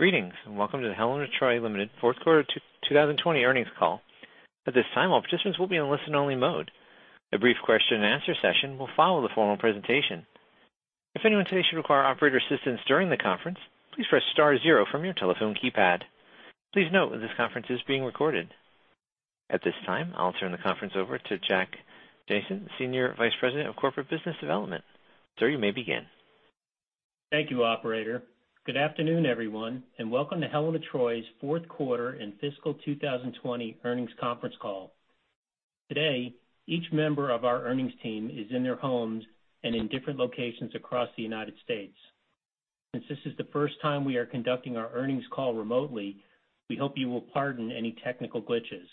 Greetings, and welcome to the Helen of Troy Limited fourth quarter 2020 earnings call. At this time, all participants will be in listen-only mode. A brief question-and-answer session will follow the formal presentation. If anyone today should require operator assistance during the conference, please press star zero from your telephone keypad. Please note this conference is being recorded. At this time, I'll turn the conference over to Jack Jancin, Senior Vice President of Corporate Business Development. Sir, you may begin. Thank you, operator. Good afternoon, everyone, and welcome to Helen of Troy's fourth quarter and fiscal 2020 earnings conference call. Today, each member of our earnings team is in their homes and in different locations across the United States. Since this is the first time we are conducting our earnings call remotely, we hope you will pardon any technical glitches.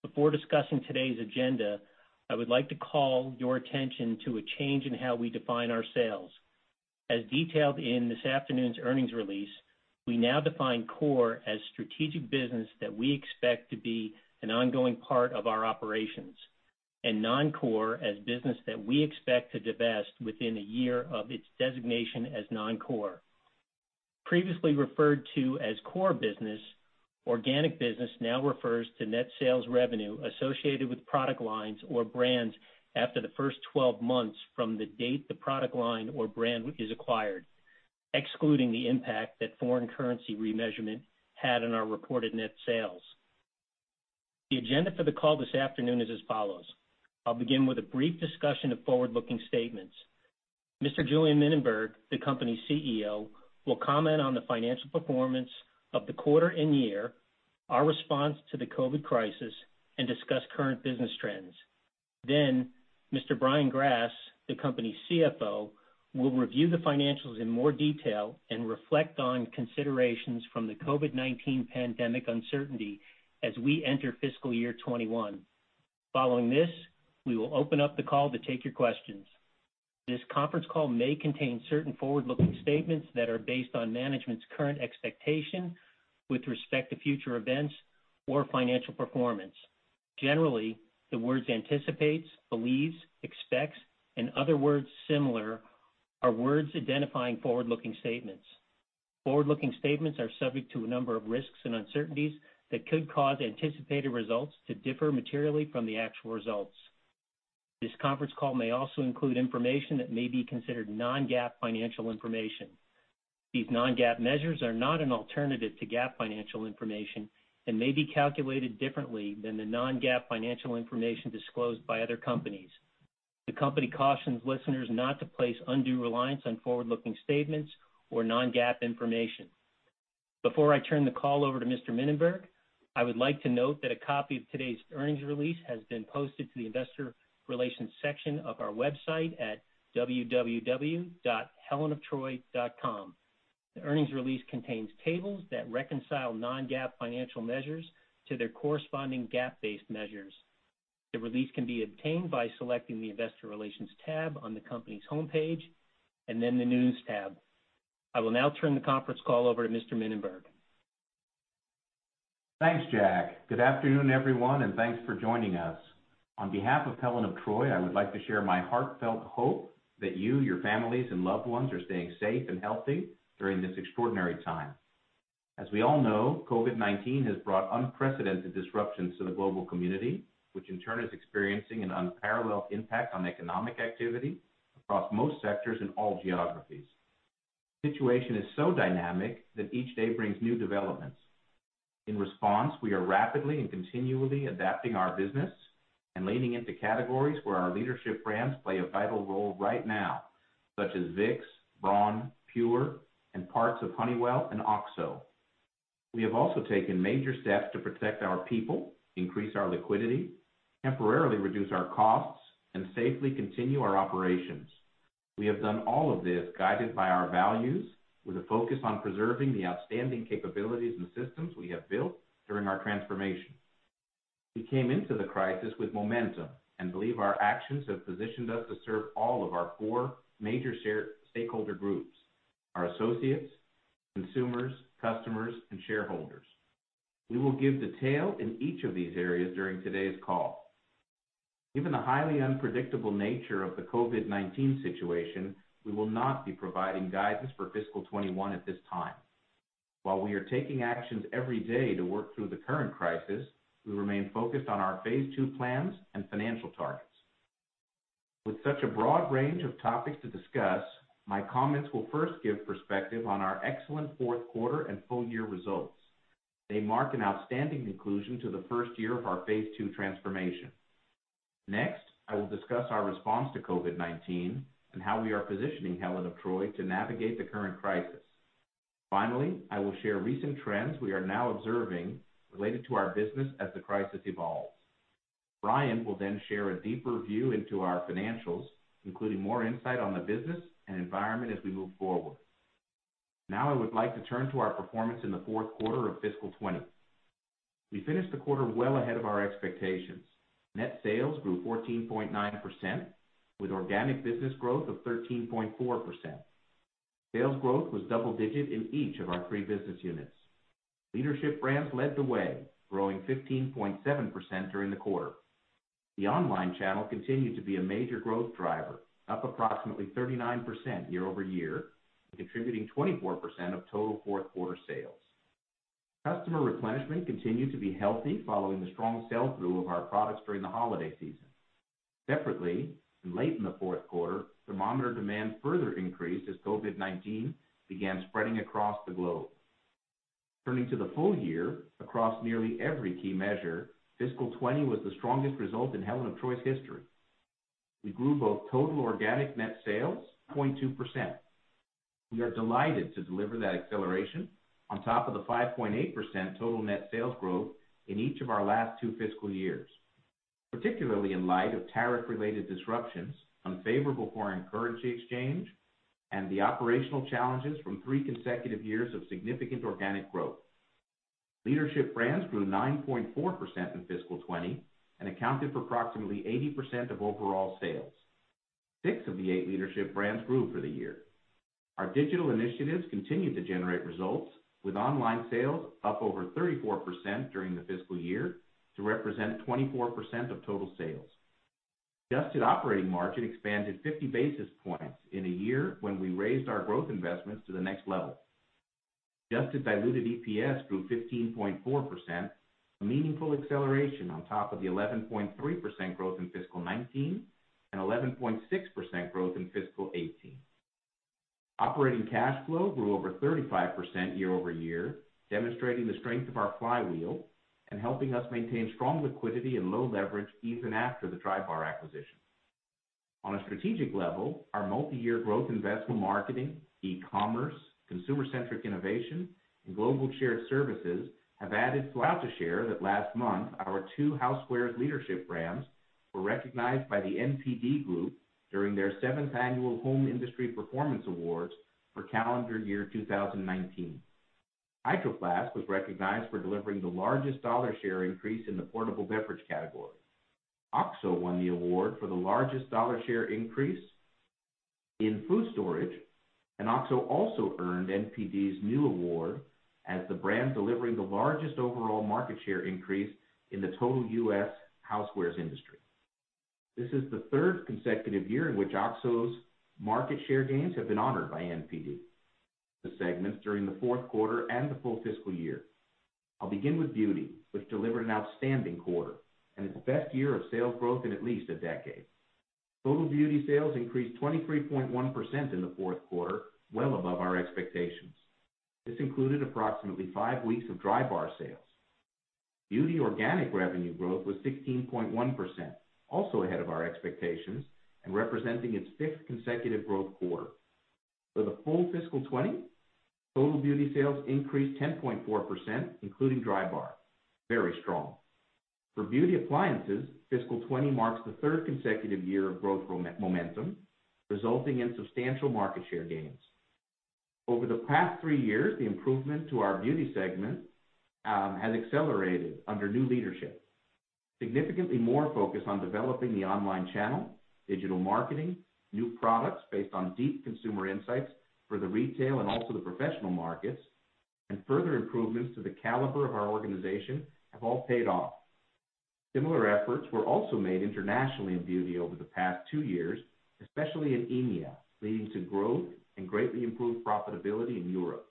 Before discussing today's agenda, I would like to call your attention to a change in how we define our sales. As detailed in this afternoon's earnings release, we now define core as strategic business that we expect to be an ongoing part of our operations, and non-core as business that we expect to divest within a year of its designation as non-core. Previously referred to as core business, organic business now refers to net sales revenue associated with product lines or brands after the first 12 months from the date the product line or brand is acquired, excluding the impact that foreign currency remeasurement had on our reported net sales. The agenda for the call this afternoon is as follows. I'll begin with a brief discussion of forward-looking statements. Mr. Julien Mininberg, the company's CEO, will comment on the financial performance of the quarter and year, our response to the COVID-19, and discuss current business trends. Mr. Brian Grass, the company's CFO, will review the financials in more detail and reflect on considerations from the COVID-19 pandemic uncertainty as we enter fiscal year 2021. Following this, we will open up the call to take your questions. This conference call may contain certain forward-looking statements that are based on management's current expectation with respect to future events or financial performance. Generally, the words anticipates, believes, expects, and other words similar, are words identifying forward-looking statements. Forward-looking statements are subject to a number of risks and uncertainties that could cause anticipated results to differ materially from the actual results. This conference call may also include information that may be considered non-GAAP financial information. These non-GAAP measures are not an alternative to GAAP financial information and may be calculated differently than the non-GAAP financial information disclosed by other companies. The company cautions listeners not to place undue reliance on forward-looking statements or non-GAAP information. Before I turn the call over to Mr. Mininberg, I would like to note that a copy of today's earnings release has been posted to the investor relations section of our website at www.helenoftroy.com. The earnings release contains tables that reconcile non-GAAP financial measures to their corresponding GAAP-based measures. The release can be obtained by selecting the investor relations tab on the company's homepage, then the news tab. I will now turn the conference call over to Mr. Mininberg. Thanks, Jack. Good afternoon, everyone, and thanks for joining us. On behalf of Helen of Troy, I would like to share my heartfelt hope that you, your families, and loved ones are staying safe and healthy during this extraordinary time. As we all know, COVID-19 has brought unprecedented disruptions to the global community, which in turn is experiencing an unparalleled impact on economic activity across most sectors and all geographies. The situation is so dynamic that each day brings new developments. In response, we are rapidly and continually adapting our business and leaning into categories where our leadership brands play a vital role right now, such as Vicks, Braun, PUR, and parts of Honeywell and OXO. We have also taken major steps to protect our people, increase our liquidity, temporarily reduce our costs, and safely continue our operations. We have done all of this guided by our values with a focus on preserving the outstanding capabilities and systems we have built during our transformation. We came into the crisis with momentum and believe our actions have positioned us to serve all of our four major stakeholder groups, our associates, consumers, customers, and shareholders. We will give detail in each of these areas during today's call. Given the highly unpredictable nature of the COVID-19 situation, we will not be providing guidance for fiscal 2021 at this time. While we are taking actions every day to work through the current crisis, we remain focused on our Phase II plans and financial targets. With such a broad range of topics to discuss, my comments will first give perspective on our excellent fourth quarter and full-year results. They mark an outstanding conclusion to the first year of our Phase II transformation. Next, I will discuss our response to COVID-19 and how we are positioning Helen of Troy to navigate the current crisis. Finally, I will share recent trends we are now observing related to our business as the crisis evolves. Brian will share a deeper view into our financials, including more insight on the business and environment as we move forward. I would like to turn to our performance in the fourth quarter of fiscal 2020. We finished the quarter well ahead of our expectations. Net sales grew 14.9% with organic business growth of 13.4%. Sales growth was double digit in each of our three business units. Leadership brands led the way, growing 15.7% during the quarter. The online channel continued to be a major growth driver, up approximately 39% year-over-year, contributing 24% of total fourth quarter sales. Customer replenishment continued to be healthy following the strong sell-through of our products during the holiday season. Separately, late in the fourth quarter, thermometer demand further increased as COVID-19 began spreading across the globe. Turning to the full year, across nearly every key measure, fiscal 2020 was the strongest result in Helen of Troy's history. We grew both total organic net sales 9.2%. We are delighted to deliver that acceleration on top of the 5.8% total net sales growth in each of our last two fiscal years, particularly in light of tariff-related disruptions, unfavorable foreign currency exchange, and the operational challenges from three consecutive years of significant organic growth. Leadership brands grew 9.4% in fiscal 2020 and accounted for approximately 80% of overall sales. Six of the eight leadership brands grew for the year. Our digital initiatives continued to generate results, with online sales up over 34% during the fiscal year to represent 24% of total sales. Adjusted operating margin expanded 50 basis points in a year when we raised our growth investments to the next level. Adjusted diluted EPS grew 15.4%, a meaningful acceleration on top of the 11.3% growth in fiscal 2019 and 11.6% growth in fiscal 2018. Operating cash flow grew over 35% year-over-year, demonstrating the strength of our flywheel and helping us maintain strong liquidity and low leverage even after the Drybar acquisition. On a strategic level, our multi-year growth investment marketing, e-commerce, consumer-centric innovation, and global shared services I'm proud to share that last month, our two Housewares leadership brands were recognized by The NPD Group during their seventh annual Home Industry Performance Awards for calendar year 2019. Hydro Flask was recognized for delivering the largest dollar share increase in the portable beverage category. OXO won the award for the largest dollar share increase in food storage. OXO also earned NPD's new award as the brand delivering the largest overall market share increase in the total U.S. housewares industry. This is the third consecutive year in which OXO's market share gains have been honored by NPD. The segments during the fourth quarter and the full fiscal year. I'll begin with Beauty, which delivered an outstanding quarter and its best year of sales growth in at least a decade. Total Beauty sales increased 23.1% in the fourth quarter, well above our expectations. This included approximately five weeks of Drybar sales. Beauty organic revenue growth was 16.1%, also ahead of our expectations and representing its sixth consecutive growth quarter. For the full fiscal 2020, total Beauty sales increased 10.4%, including Drybar. Very strong. For Beauty appliances, fiscal 2020 marks the third consecutive year of growth momentum, resulting in substantial market share gains. Over the past three years, the improvement to our Beauty segment has accelerated under new leadership. Significantly more focused on developing the online channel, digital marketing, new products based on deep consumer insights for the retail and also the professional markets, and further improvements to the caliber of our organization have all paid off. Similar efforts were also made internationally in Beauty over the past two years, especially in EMEA, leading to growth and greatly improved profitability in Europe.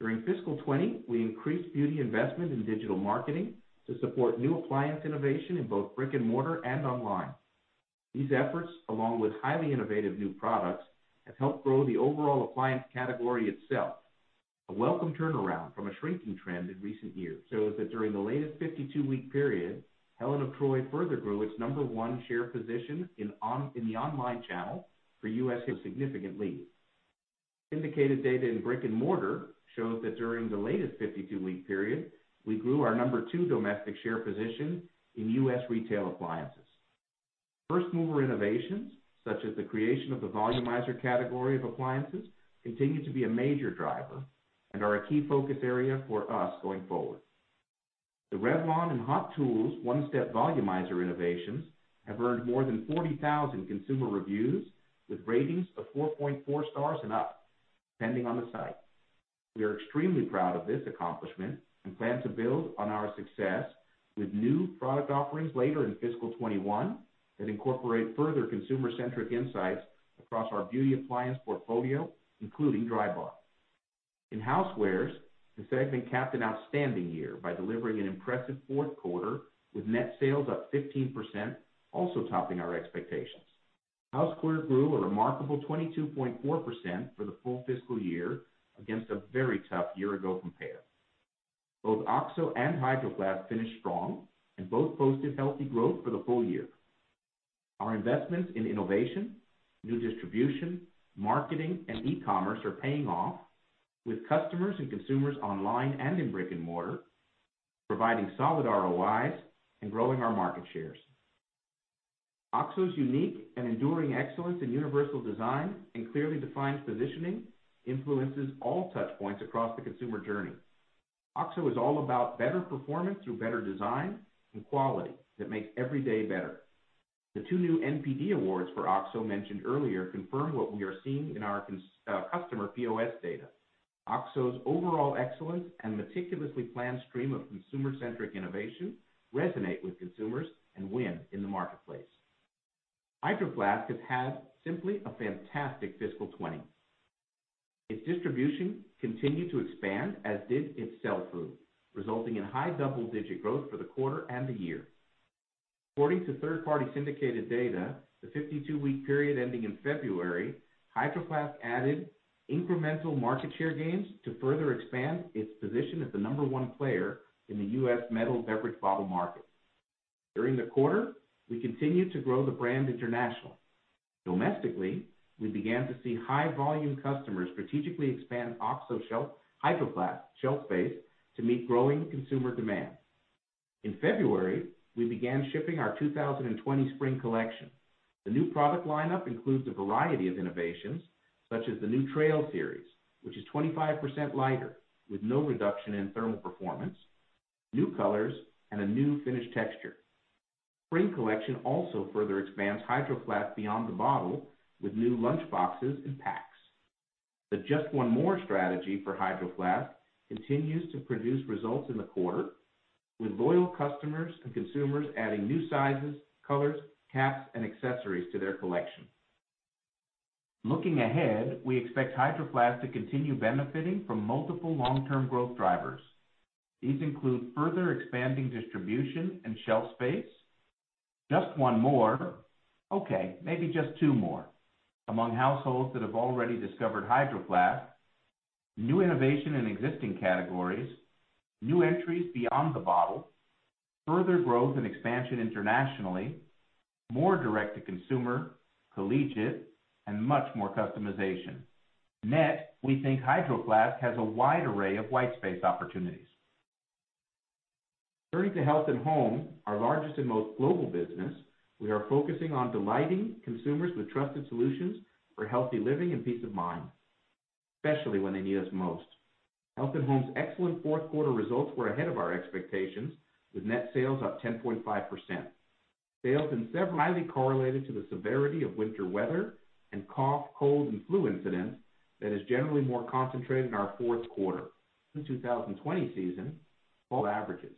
During fiscal 2020, we increased Beauty investment in digital marketing to support new appliance innovation in both brick and mortar and online. These efforts, along with highly innovative new products, have helped grow the overall appliance category itself, a welcome turnaround from a shrinking trend in recent years. During the latest 52-week period, Helen of Troy further grew its number one share position in the online channel for U.S. with a significant lead. Indicated data in brick and mortar shows that during the latest 52-week period, we grew our number two domestic share position in U.S. retail appliances. First-mover innovations, such as the creation of the volumizer category of appliances, continue to be a major driver and are a key focus area for us going forward. The Revlon and Hot Tools one-step volumizer innovations have earned more than 40,000 consumer reviews with ratings of 4.4 stars and up, depending on the site. We are extremely proud of this accomplishment and plan to build on our success with new product offerings later in fiscal 2021 that incorporate further consumer-centric insights across our Beauty appliance portfolio, including Drybar. In Housewares, the segment capped an outstanding year by delivering an impressive fourth quarter with net sales up 15%, also topping our expectations. Housewares grew a remarkable 22.4% for the full fiscal year against a very tough year-ago compare. Both OXO and Hydro Flask finished strong and both posted healthy growth for the full year. Our investments in innovation, new distribution, marketing, and e-commerce are paying off with customers and consumers online and in brick and mortar, providing solid ROIs and growing our market shares. OXO's unique and enduring excellence in universal design and clearly defined positioning influences all touchpoints across the consumer journey. OXO is all about better performance through better design and quality that makes every day better. The two new NPD awards for OXO mentioned earlier confirm what we are seeing in our customer POS data. OXO's overall excellence and meticulously planned stream of consumer-centric innovation resonate with consumers and win in the marketplace. Hydro Flask has had simply a fantastic fiscal 2020. Its distribution continued to expand, as did its sell-through, resulting in high double-digit growth for the quarter and the year. According to third-party syndicated data, the 52-week period ending in February, Hydro Flask added incremental market share gains to further expand its position as the number one player in the U.S. metal beverage bottle market. During the quarter, we continued to grow the brand internationally. Domestically, we began to see high-volume customers strategically expand Hydro Flask shelf space to meet growing consumer demand. In February, we began shipping our 2020 spring collection. The new product lineup includes a variety of innovations, such as the new Trail Series, which is 25% lighter with no reduction in thermal performance, new colors, and a new finished texture. Spring collection also further expands Hydro Flask beyond the bottle with new lunchboxes and packs. The Just One More strategy for Hydro Flask continues to produce results in the quarter, with loyal customers and consumers adding new sizes, colors, caps, and accessories to their collection. Looking ahead, we expect Hydro Flask to continue benefiting from multiple long-term growth drivers. These include further expanding distribution and shelf space. Just One More, okay, maybe just two more, among households that have already discovered Hydro Flask, new innovation in existing categories, new entries beyond the bottle, further growth and expansion internationally, more direct-to-consumer, collegiate, and much more customization. We think Hydro Flask has a wide array of white space opportunities. Turning to Health & Home, our largest and most global business, we are focusing on delighting consumers with trusted solutions for healthy living and peace of mind, especially when they need us most. Health & Home's excellent fourth quarter results were ahead of our expectations, with net sales up 10.5%. Sales highly correlated to the severity of winter weather and cough, cold, and flu incidents that is generally more concentrated in our fourth quarter. In 2020 season, all averages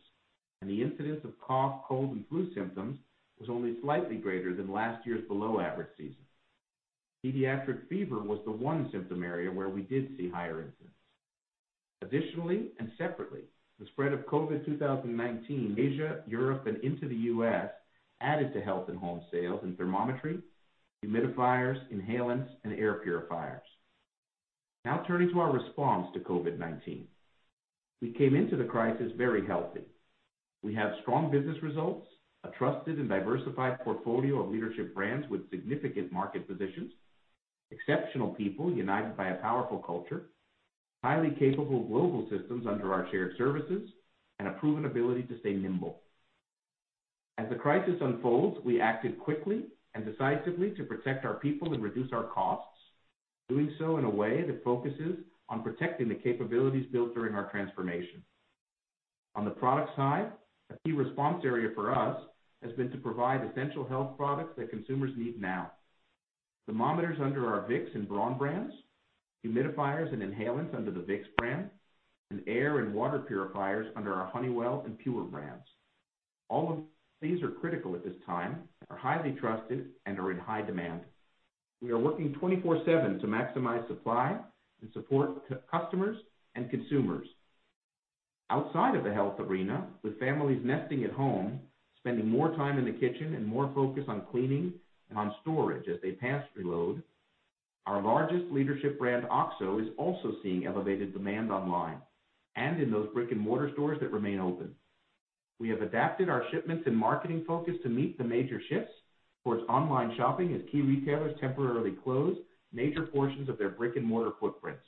and the incidence of cough, cold, and flu symptoms was only slightly greater than last year's below-average season. Pediatric fever was the one symptom area where we did see higher incidence. Additionally, separately, the spread of COVID-19, Asia, Europe, and into the U.S. added to Health & Home sales in thermometry, humidifiers, inhalants, and air purifiers. Now, turning to our response to COVID-19. We came into the crisis very healthy. We have strong business results, a trusted and diversified portfolio of leadership brands with significant market positions, exceptional people united by a powerful culture, highly capable global systems under our shared services, and a proven ability to stay nimble. As the crisis unfolds, we acted quickly and decisively to protect our people and reduce our costs, doing so in a way that focuses on protecting the capabilities built during our transformation. On the product side, a key response area for us has been to provide essential health products that consumers need now. Thermometers under our Vicks and Braun brands, humidifiers and inhalants under the Vicks brand, and air and water purifiers under our Honeywell and PUR brands. All of these are critical at this time, are highly trusted, and are in high demand. We are working 24/7 to maximize supply and support customers and consumers. Outside of the health arena, with families nesting at home, spending more time in the kitchen, and more focus on cleaning and on storage as they pantry load, our largest leadership brand, OXO, is also seeing elevated demand online and in those brick-and-mortar stores that remain open. We have adapted our shipments and marketing focus to meet the major shifts towards online shopping as key retailers temporarily close major portions of their brick-and-mortar footprints.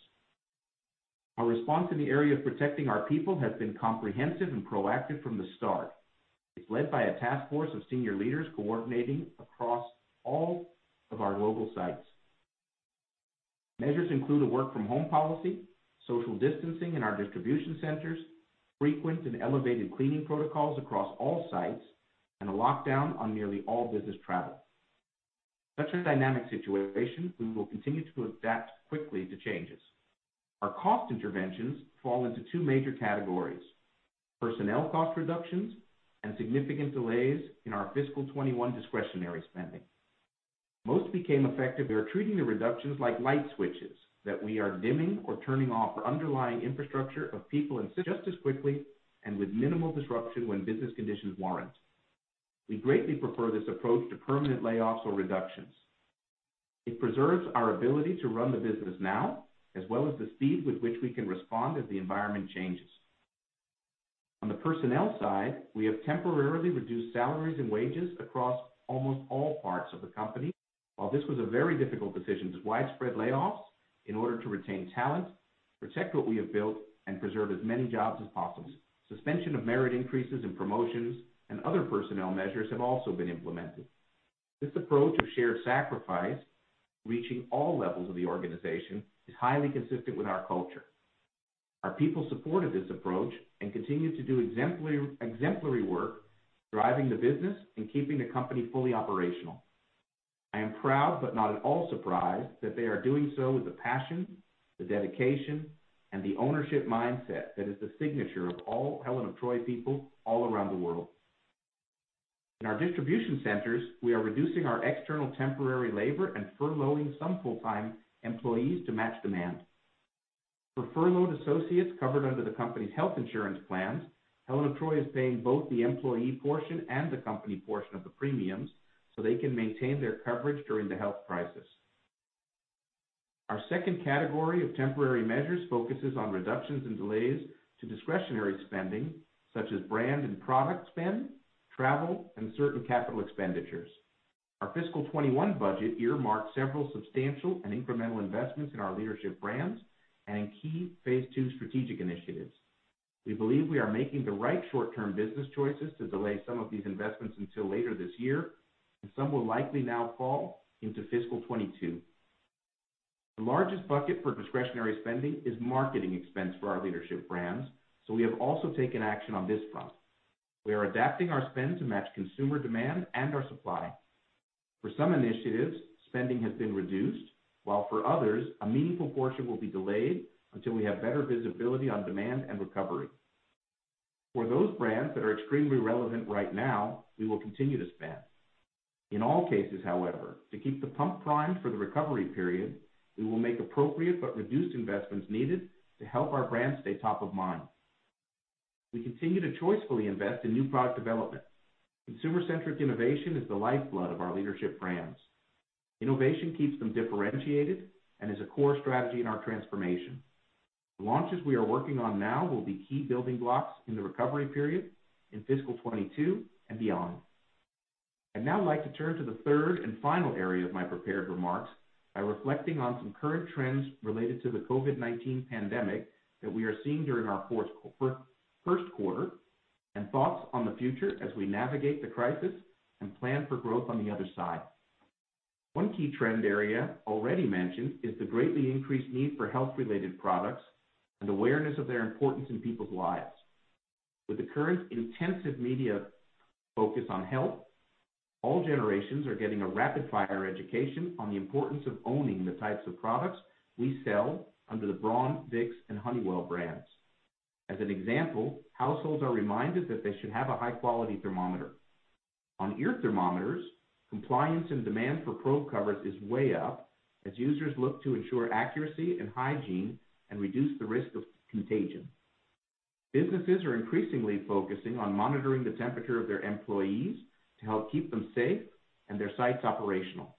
Our response in the area of protecting our people has been comprehensive and proactive from the start. It's led by a task force of senior leaders coordinating across all of our global sites. Measures include a work-from-home policy, social distancing in our distribution centers, frequent and elevated cleaning protocols across all sites, and a lockdown on nearly all business travel. Such a dynamic situation, we will continue to adapt quickly to changes. Our cost interventions fall into two major categories: personnel cost reductions and significant delays in our fiscal 2021 discretionary spending. Most became effective. We are treating the reductions like light switches that we are dimming or turning off our underlying infrastructure of people and systems just as quickly and with minimal disruption when business conditions warrant. We greatly prefer this approach to permanent layoffs or reductions. It preserves our ability to run the business now, as well as the speed with which we can respond as the environment changes. On the personnel side, we have temporarily reduced salaries and wages across almost all parts of the company. While this was a very difficult decision, it was widespread layoffs in order to retain talent, protect what we have built, and preserve as many jobs as possible. Suspension of merit increases and promotions and other personnel measures have also been implemented. This approach of shared sacrifice, reaching all levels of the organization, is highly consistent with our culture. Our people supported this approach and continued to do exemplary work, driving the business and keeping the company fully operational. I am proud, but not at all surprised, that they are doing so with the passion, the dedication, and the ownership mindset that is the signature of all Helen of Troy people all around the world. In our distribution centers, we are reducing our external temporary labor and furloughing some full-time employees to match demand. For furloughed associates covered under the company's health insurance plans, Helen of Troy is paying both the employee portion and the company portion of the premiums so they can maintain their coverage during the health crisis. Our second category of temporary measures focuses on reductions and delays to discretionary spending, such as brand and product spend, travel, and certain capital expenditures. Our fiscal 2021 budget earmarked several substantial and incremental investments in our leadership brands and in key Phase II strategic initiatives. We believe we are making the right short-term business choices to delay some of these investments until later this year, and some will likely now fall into fiscal 2022. The largest bucket for discretionary spending is marketing expense for our leadership brands. We have also taken action on this front. We are adapting our spend to match consumer demand and our supply. For some initiatives, spending has been reduced, while for others, a meaningful portion will be delayed until we have better visibility on demand and recovery. For those brands that are extremely relevant right now, we will continue to spend. In all cases, however, to keep the pump primed for the recovery period, we will make appropriate but reduced investments needed to help our brands stay top of mind. We continue to choicefully invest in new product development. Consumer-centric innovation is the lifeblood of our leadership brands. Innovation keeps them differentiated and is a core strategy in our transformation. The launches we are working on now will be key building blocks in the recovery period in fiscal 2022 and beyond. I'd now like to turn to the third and final area of my prepared remarks by reflecting on some current trends related to the COVID-19 pandemic that we are seeing during our first quarter, and thoughts on the future as we navigate the crisis and plan for growth on the other side. One key trend area already mentioned is the greatly increased need for health-related products and awareness of their importance in people's lives. With the current intensive media focus on health, all generations are getting a rapid-fire education on the importance of owning the types of products we sell under the Braun, Vicks, and Honeywell brands. As an example, households are reminded that they should have a high-quality thermometer. In-ear thermometers, compliance and demand for probe covers is way up as users look to ensure accuracy and hygiene and reduce the risk of contagion. Businesses are increasingly focusing on monitoring the temperature of their employees to help keep them safe and their sites operational.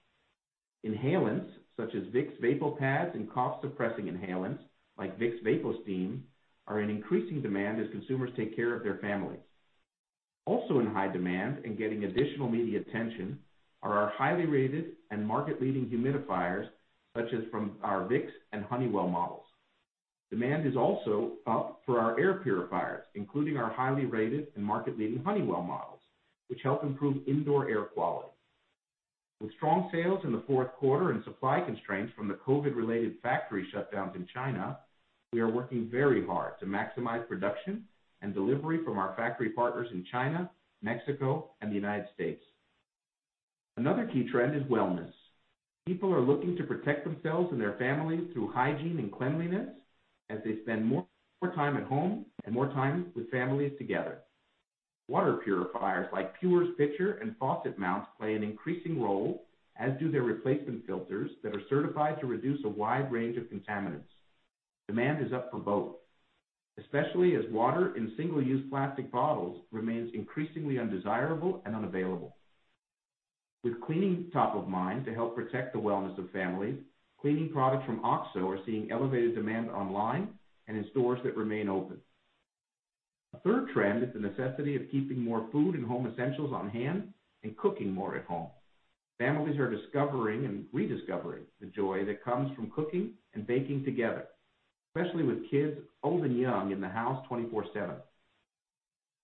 Inhalants such as Vicks VapoPads and cough-suppressing inhalants like Vicks VapoSteam are in increasing demand as consumers take care of their families. Also in high demand and getting additional media attention are our highly rated and market-leading humidifiers, such as from our Vicks and Honeywell models. Demand is also up for our air purifiers, including our highly rated and market-leading Honeywell models, which help improve indoor air quality. With strong sales in the fourth quarter and supply constraints from the COVID-related factory shutdowns in China, we are working very hard to maximize production and delivery from our factory partners in China, Mexico, and the United States. Another key trend is wellness. People are looking to protect themselves and their families through hygiene and cleanliness as they spend more time at home and more time with families together. Water purifiers like PUR's pitcher and faucet mounts play an increasing role, as do their replacement filters that are certified to reduce a wide range of contaminants. Demand is up for both, especially as water in single-use plastic bottles remains increasingly undesirable and unavailable. With cleaning top of mind to help protect the wellness of family, cleaning products from OXO are seeing elevated demand online and in stores that remain open. A third trend is the necessity of keeping more food and home essentials on hand and cooking more at home. Families are discovering and rediscovering the joy that comes from cooking and baking together, especially with kids, old and young, in the house 24/7.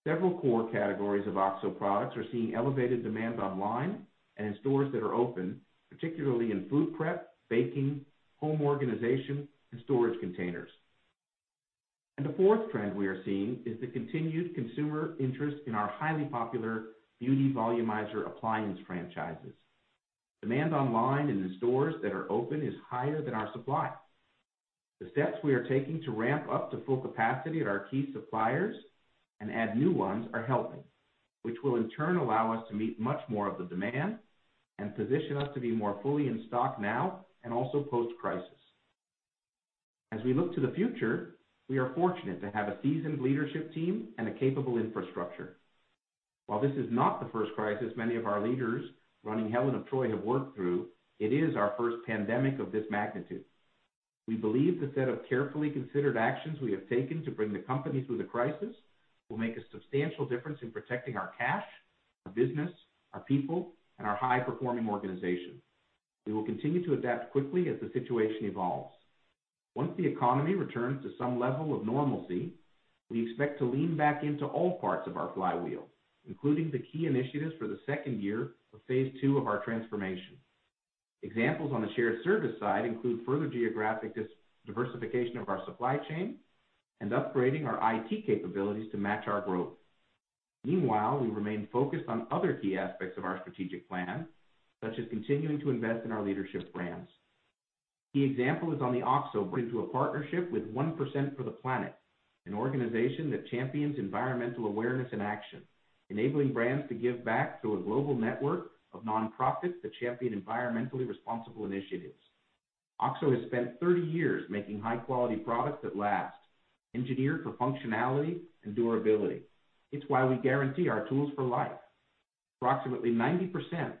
Several core categories of OXO products are seeing elevated demands online and in stores that are open, particularly in food prep, baking, home organization, and storage containers. The fourth trend we are seeing is the continued consumer interest in our highly popular Beauty Volumizer appliance franchises. Demand online and in stores that are open is higher than our supply. The steps we are taking to ramp up to full capacity at our key suppliers and add new ones are helping, which will in turn allow us to meet much more of the demand and position us to be more fully in stock now and also post-crisis. As we look to the future, we are fortunate to have a seasoned leadership team and a capable infrastructure. While this is not the first crisis many of our leaders running Helen of Troy have worked through, it is our first pandemic of this magnitude. We believe the set of carefully considered actions we have taken to bring the company through the crisis will make a substantial difference in protecting our cash, our business, our people, and our high-performing organization. We will continue to adapt quickly as the situation evolves. Once the economy returns to some level of normalcy, we expect to lean back into all parts of our flywheel, including the key initiatives for the second year of Phase II of our transformation. Examples on the shared service side include further geographic diversification of our supply chain and upgrading our IT capabilities to match our growth. We remain focused on other key aspects of our strategic plan, such as continuing to invest in our leadership brands. Key example is on the OXO partnership with 1% for the Planet, an organization that champions environmental awareness and action, enabling brands to give back to a global network of nonprofits that champion environmentally responsible initiatives. OXO has spent 30 years making high-quality products that last, engineered for functionality and durability. It's why we guarantee our tools for life. Approximately 90%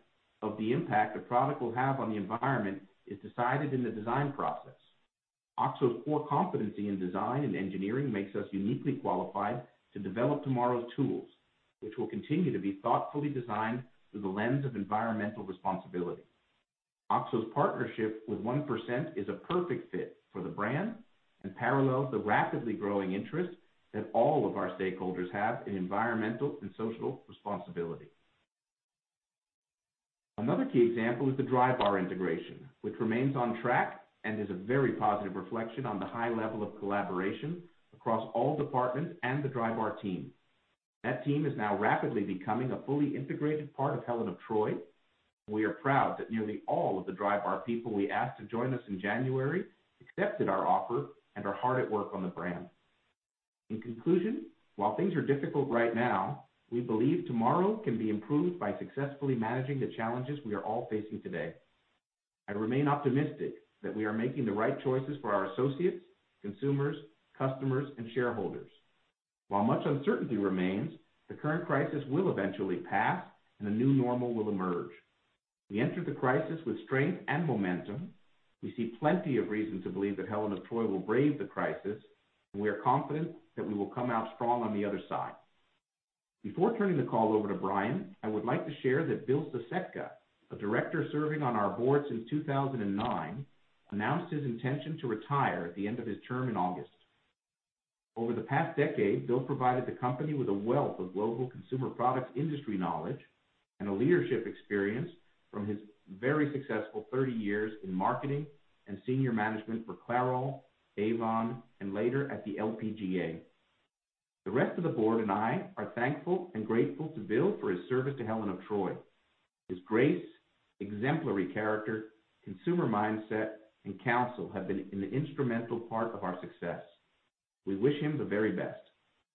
of the impact a product will have on the environment is decided in the design process. OXO's core competency in design and engineering makes us uniquely qualified to develop tomorrow's tools, which will continue to be thoughtfully designed through the lens of environmental responsibility. OXO's partnership with 1% is a perfect fit for the brand and parallels the rapidly growing interest that all of our stakeholders have in environmental and social responsibility. Another key example is the Drybar integration, which remains on track and is a very positive reflection on the high level of collaboration across all departments and the Drybar team. That team is now rapidly becoming a fully integrated part of Helen of Troy. We are proud that nearly all of the Drybar people we asked to join us in January accepted our offer and are hard at work on the brand. In conclusion, while things are difficult right now, we believe tomorrow can be improved by successfully managing the challenges we are all facing today. I remain optimistic that we are making the right choices for our associates, consumers, customers, and shareholders. While much uncertainty remains, the current crisis will eventually pass, and a new normal will emerge. We enter the crisis with strength and momentum. We see plenty of reason to believe that Helen of Troy will brave the crisis, and we are confident that we will come out strong on the other side. Before turning the call over to Brian, I would like to share that Bill Susetka, a director serving on our board since 2009, announced his intention to retire at the end of his term in August. Over the past decade, Bill provided the company with a wealth of global consumer products industry knowledge and leadership experience from his very successful 30 years in marketing and senior management for Clairol, Avon, and later at the LPGA. The rest of the board and I are thankful and grateful to Bill for his service to Helen of Troy. His grace, exemplary character, consumer mindset, and counsel have been an instrumental part of our success. We wish him the very best.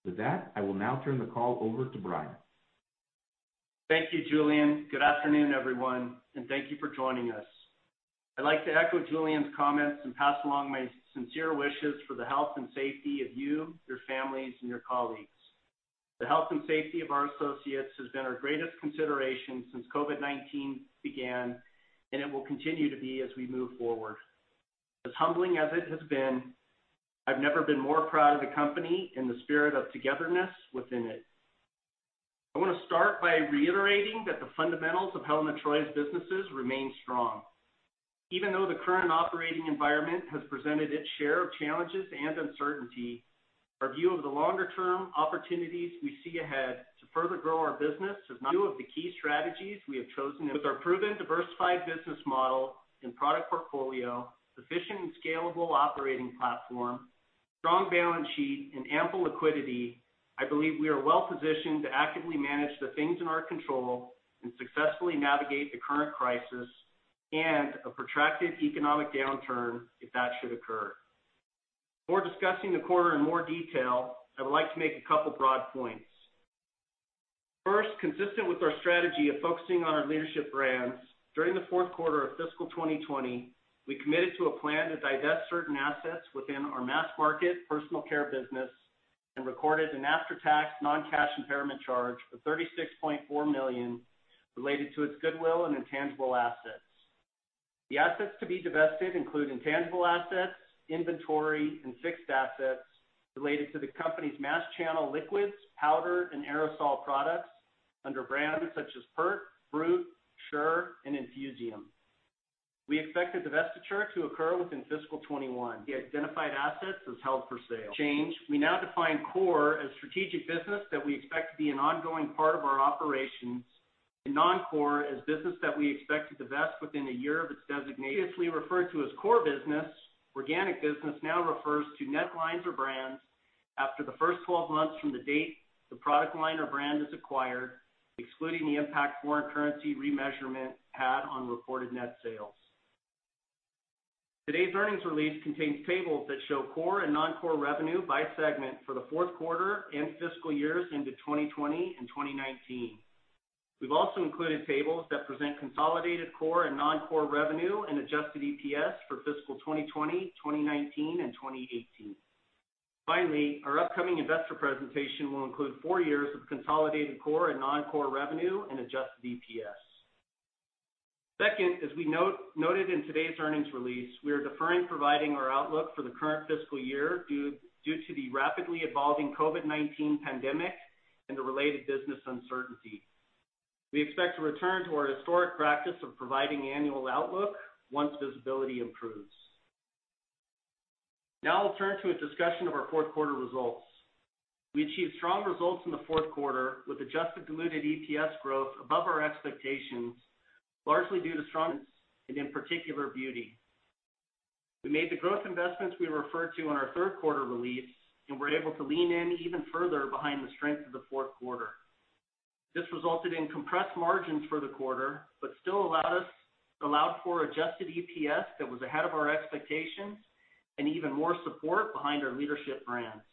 With that, I will now turn the call over to Brian. Thank you, Julien. Good afternoon, everyone. Thank you for joining us. I'd like to echo Julien's comments and pass along my sincere wishes for the health and safety of you, your families, and your colleagues. The health and safety of our associates has been our greatest consideration since COVID-19 began, and it will continue to be as we move forward. As humbling as it has been, I've never been more proud of the company and the spirit of togetherness within it. I want to start by reiterating that the fundamentals of Helen of Troy's businesses remain strong. Even though the current operating environment has presented its share of challenges and uncertainty, our view of the longer-term opportunities we see ahead to further grow our business is not. Two of the key strategies we have chosen. With our proven diversified business model and product portfolio, efficient and scalable operating platform, strong balance sheet, and ample liquidity, I believe we are well-positioned to actively manage the things in our control and successfully navigate the current crisis and a protracted economic downturn if that should occur. Before discussing the quarter in more detail, I would like to make a couple broad points. First, consistent with our strategy of focusing on our leadership brands, during the fourth quarter of fiscal 2020, we committed to a plan to divest certain assets within our mass-market personal care business and recorded an after-tax non-cash impairment charge of $36.4 million related to its goodwill and intangible assets. The assets to be divested include intangible assets, inventory, and fixed assets related to the company's mass channel liquids, powder, and aerosol products under brands such as Pert, BRUT, Sure, and Infusium. We expect the divestiture to occur within fiscal 2021. The identified assets as held for sale. Change. We now define core as strategic business that we expect to be an ongoing part of our operations and non-core as business that we expect to divest within a year of its designation. Previously referred to as core business, organic business now refers to net lines or brands after the first 12 months from the date the product line or brand is acquired, excluding the impact foreign currency remeasurement had on reported net sales. Today's earnings release contains tables that show core and non-core revenue by segment for the fourth quarter and fiscal years into 2020 and 2019. We've also included tables that present consolidated core and non-core revenue and adjusted EPS for fiscal 2020, 2019, and 2018. Finally, our upcoming investor presentation will include four years of consolidated core and non-core revenue and adjusted EPS. Second, as we noted in today's earnings release, we are deferring providing our outlook for the current fiscal year due to the rapidly evolving COVID-19 pandemic and the related business uncertainty. We expect to return to our historic practice of providing annual outlook once visibility improves. I'll turn to a discussion of our fourth quarter results. We achieved strong results in the fourth quarter with adjusted diluted EPS growth above our expectations, largely due to strong, and in particular, beauty. We made the growth investments we referred to on our third quarter release, and were able to lean in even further behind the strength of the fourth quarter. This resulted in compressed margins for the quarter, but still allowed for adjusted EPS that was ahead of our expectations and even more support behind our leadership brands.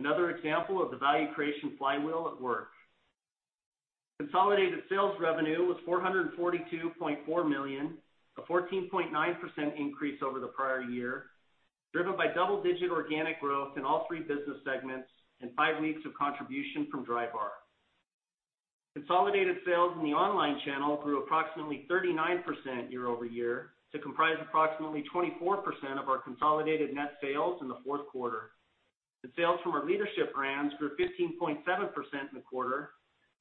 Another example of the value creation flywheel at work. Consolidated sales revenue was $442.4 million, a 14.9% increase over the prior year, driven by double-digit organic growth in all three business segments and five weeks of contribution from Drybar. Consolidated sales in the online channel grew approximately 39% year-over-year to comprise approximately 24% of our consolidated net sales in the fourth quarter. The sales from our leadership brands grew 15.7% in the quarter,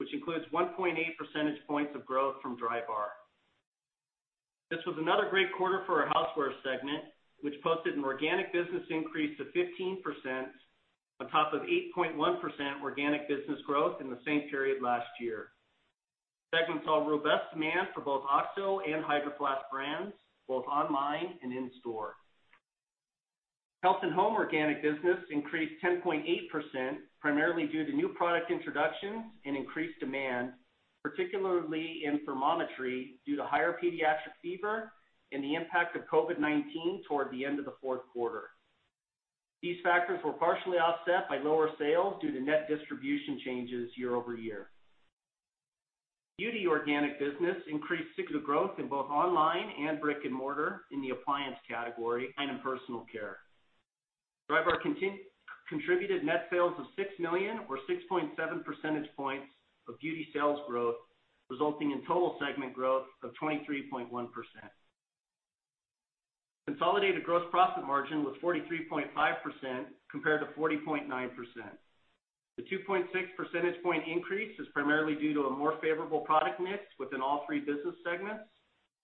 which includes 1.8 percentage points of growth from Drybar. This was another great quarter for our Housewares Segment, which posted an organic business increase of 15% on top of 8.1% organic business growth in the same period last year. The segment saw robust demand for both OXO and Hydro Flask brands, both online and in store. Health & Home organic business increased 10.8%, primarily due to new product introductions and increased demand, particularly in thermometry due to higher pediatric fever and the impact of COVID-19 toward the end of the fourth quarter. These factors were partially offset by lower sales due to net distribution changes year-over-year. Beauty organic business increased signals of growth in both online and brick-and-mortar in the appliance category and in personal care. Drybar contributed net sales of $6 million or 6.7 percentage points of beauty sales growth, resulting in total segment growth of 23.1%. Consolidated gross profit margin was 43.5% compared to 40.9%. The 2.6 percentage point increase is primarily due to a more favorable product mix within all three business segments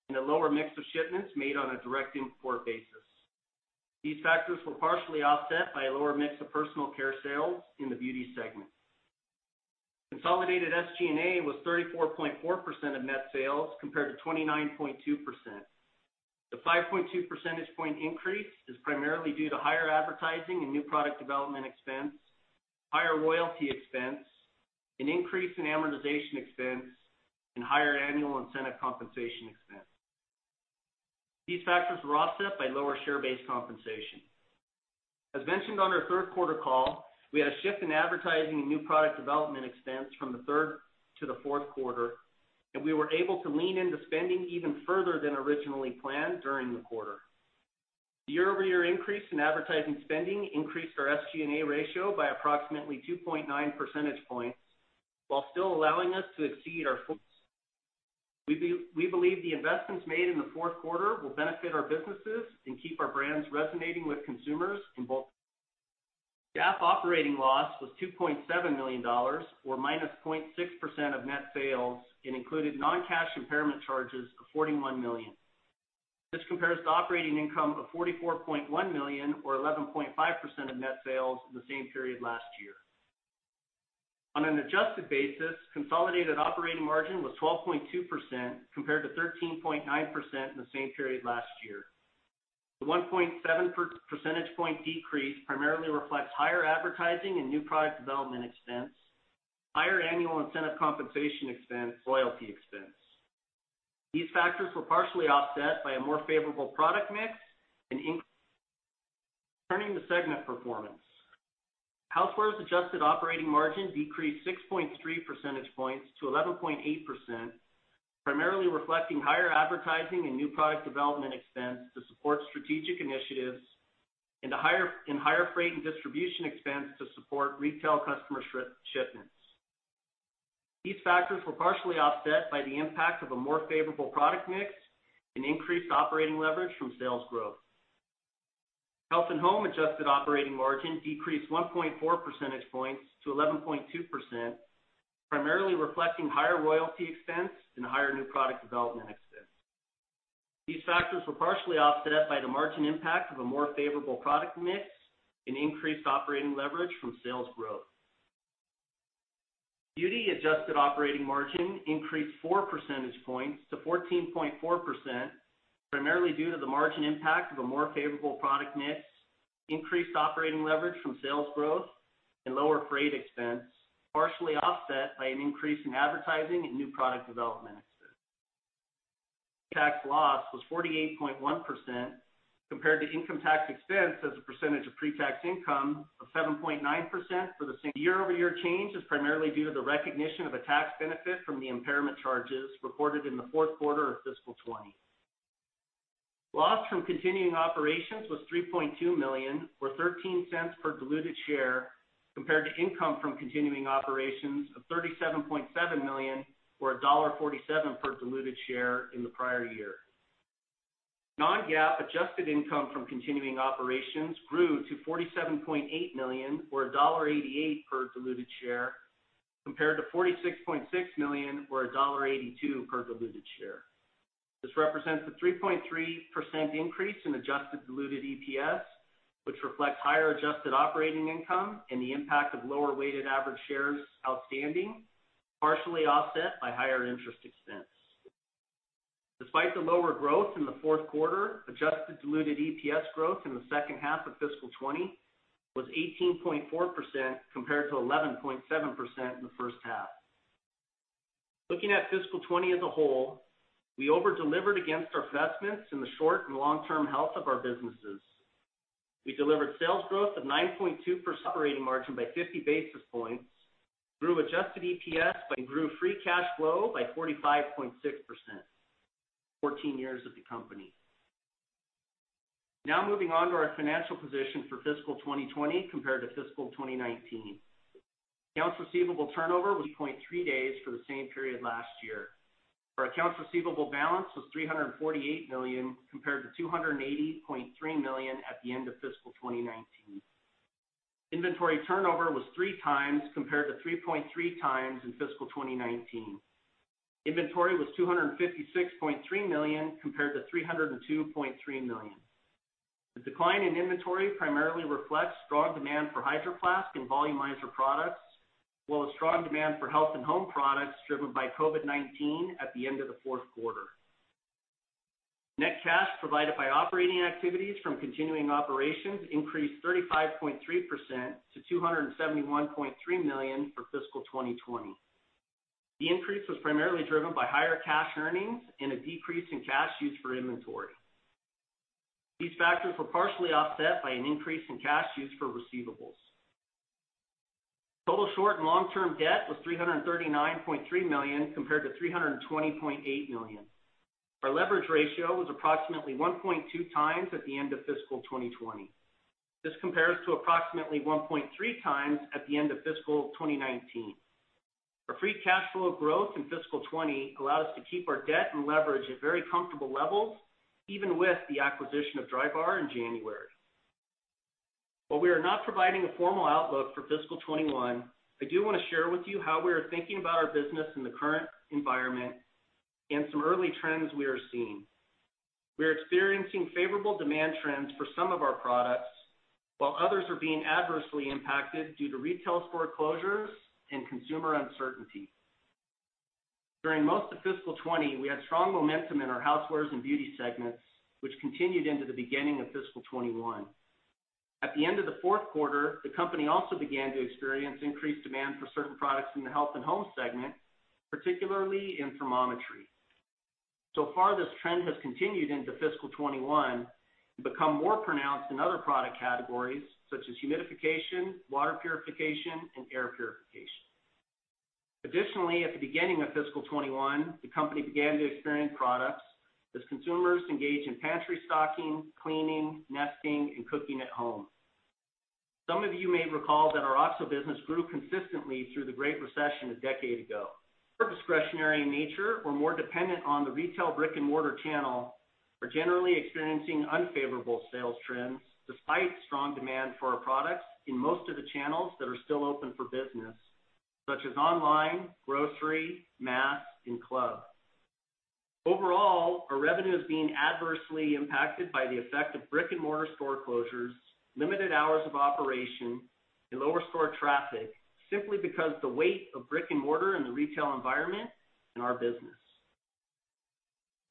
and a lower mix of shipments made on a direct import basis. These factors were partially offset by a lower mix of personal care sales in the beauty segment. Consolidated SG&A was 34.4% of net sales compared to 29.2%. The 5.2 percentage point increase is primarily due to higher advertising and new product development expense, higher royalty expense, an increase in amortization expense, and higher annual incentive compensation expense. These factors were offset by lower share-based compensation. As mentioned on our third quarter call, we had a shift in advertising and new product development expense from the third to the fourth quarter, and we were able to lean into spending even further than originally planned during the quarter. The year-over-year increase in advertising spending increased our SG&A ratio by approximately 2.9 percentage points while still allowing us to exceed our. We believe the investments made in the fourth quarter will benefit our businesses and keep our brands resonating with consumers in both. GAAP operating loss was $2.7 million, or -0.6% of net sales, and included non-cash impairment charges of $41 million. This compares to operating income of $44.1 million, or 11.5% of net sales in the same period last year. On an adjusted basis, consolidated operating margin was 12.2% compared to 13.9% in the same period last year. The 1.7 percentage point decrease primarily reflects higher advertising and new product development expense, higher annual incentive compensation expense, royalty expense. These factors were partially offset by a more favorable product mix. Turning to segment performance. Housewares adjusted operating margin decreased 6.3 percentage points to 11.8%, primarily reflecting higher advertising and new product development expense to support strategic initiatives, and higher freight and distribution expense to support retail customer shipments. These factors were partially offset by the impact of a more favorable product mix and increased operating leverage from sales growth. Health & Home adjusted operating margin decreased 1.4 percentage points to 11.2%, primarily reflecting higher royalty expense and higher new product development expense. These factors were partially offset by the margin impact of a more favorable product mix and increased operating leverage from sales growth. Beauty adjusted operating margin increased 4 percentage points to 14.4%, primarily due to the margin impact of a more favorable product mix, increased operating leverage from sales growth, and lower freight expense, partially offset by an increase in advertising and new product development expense. Tax loss was 48.1% compared to income tax expense as a percentage of pre-tax income of 7.9% for the year. Year-over-year change is primarily due to the recognition of a tax benefit from the impairment charges reported in the fourth quarter of fiscal 2020. Loss from continuing operations was $3.2 million, or $0.13 per diluted share, compared to income from continuing operations of $37.7 million, or $1.47 per diluted share in the prior year. Non-GAAP adjusted income from continuing operations grew to $47.8 million, or $1.88 per diluted share, compared to $46.6 million, or $1.82 per diluted share. This represents a 3.3% increase in adjusted diluted EPS, which reflects higher adjusted operating income and the impact of lower weighted average shares outstanding, partially offset by higher interest expense. Despite the lower growth in the fourth quarter, adjusted diluted EPS growth in the second half of fiscal 2020 was 18.4%, compared to 11.7% in the first half. Looking at fiscal 2020 as a whole, we over-delivered against our investments in the short and long-term health of our businesses. We delivered sales growth of 9.2%, operating margin by 50 basis points, grew free cash flow by 45.6%, 14 years of the company. Moving on to our financial position for fiscal 2020 compared to fiscal 2019. Accounts receivable turnover was 2.3 days for the same period last year. Our accounts receivable balance was $348 million, compared to $280.3 million at the end of fiscal 2019. Inventory turnover was 3x, compared to 3.3x in fiscal 2019. Inventory was $256.3 million, compared to $302.3 million. The decline in inventory primarily reflects strong demand for Hydro Flask and volumizer products, as well as strong demand for Health & Home products driven by COVID-19 at the end of the fourth quarter. Net cash provided by operating activities from continuing operations increased 35.3% to $271.3 million for fiscal 2020. The increase was primarily driven by higher cash earnings and a decrease in cash used for inventory. These factors were partially offset by an increase in cash used for receivables. Total short and long-term debt was $339.3 million, compared to $320.8 million. Our leverage ratio was approximately 1.2x at the end of fiscal 2020. This compares to approximately 1.3x at the end of fiscal 2019. Our free cash flow growth in fiscal 2020 allowed us to keep our debt and leverage at very comfortable levels, even with the acquisition of Drybar in January. While we are not providing a formal outlook for fiscal 2021, I do want to share with you how we are thinking about our business in the current environment and some early trends we are seeing. We are experiencing favorable demand trends for some of our products, while others are being adversely impacted due to retail store closures and consumer uncertainty. During most of fiscal 2020, we had strong momentum in our Housewares and Beauty segments, which continued into the beginning of fiscal 2021. At the end of the fourth quarter, the company also began to experience increased demand for certain products in the Health & Home segment, particularly in thermometry. This trend has continued into fiscal 2021, and become more pronounced in other product categories such as humidification, water purification, and air purification. Additionally, at the beginning of fiscal 2021, the company began to experience products as consumers engage in pantry stocking, cleaning, nesting, and cooking at home. Some of you may recall that our OXO business grew consistently through the Great Recession a decade ago. More discretionary in nature or more dependent on the retail brick-and-mortar channel are generally experiencing unfavorable sales trends, despite strong demand for our products in most of the channels that are still open for business, such as online, grocery, mass, and club. Overall, our revenue is being adversely impacted by the effect of brick-and-mortar store closures, limited hours of operation, and lower store traffic simply because the weight of brick-and-mortar in the retail environment in our business.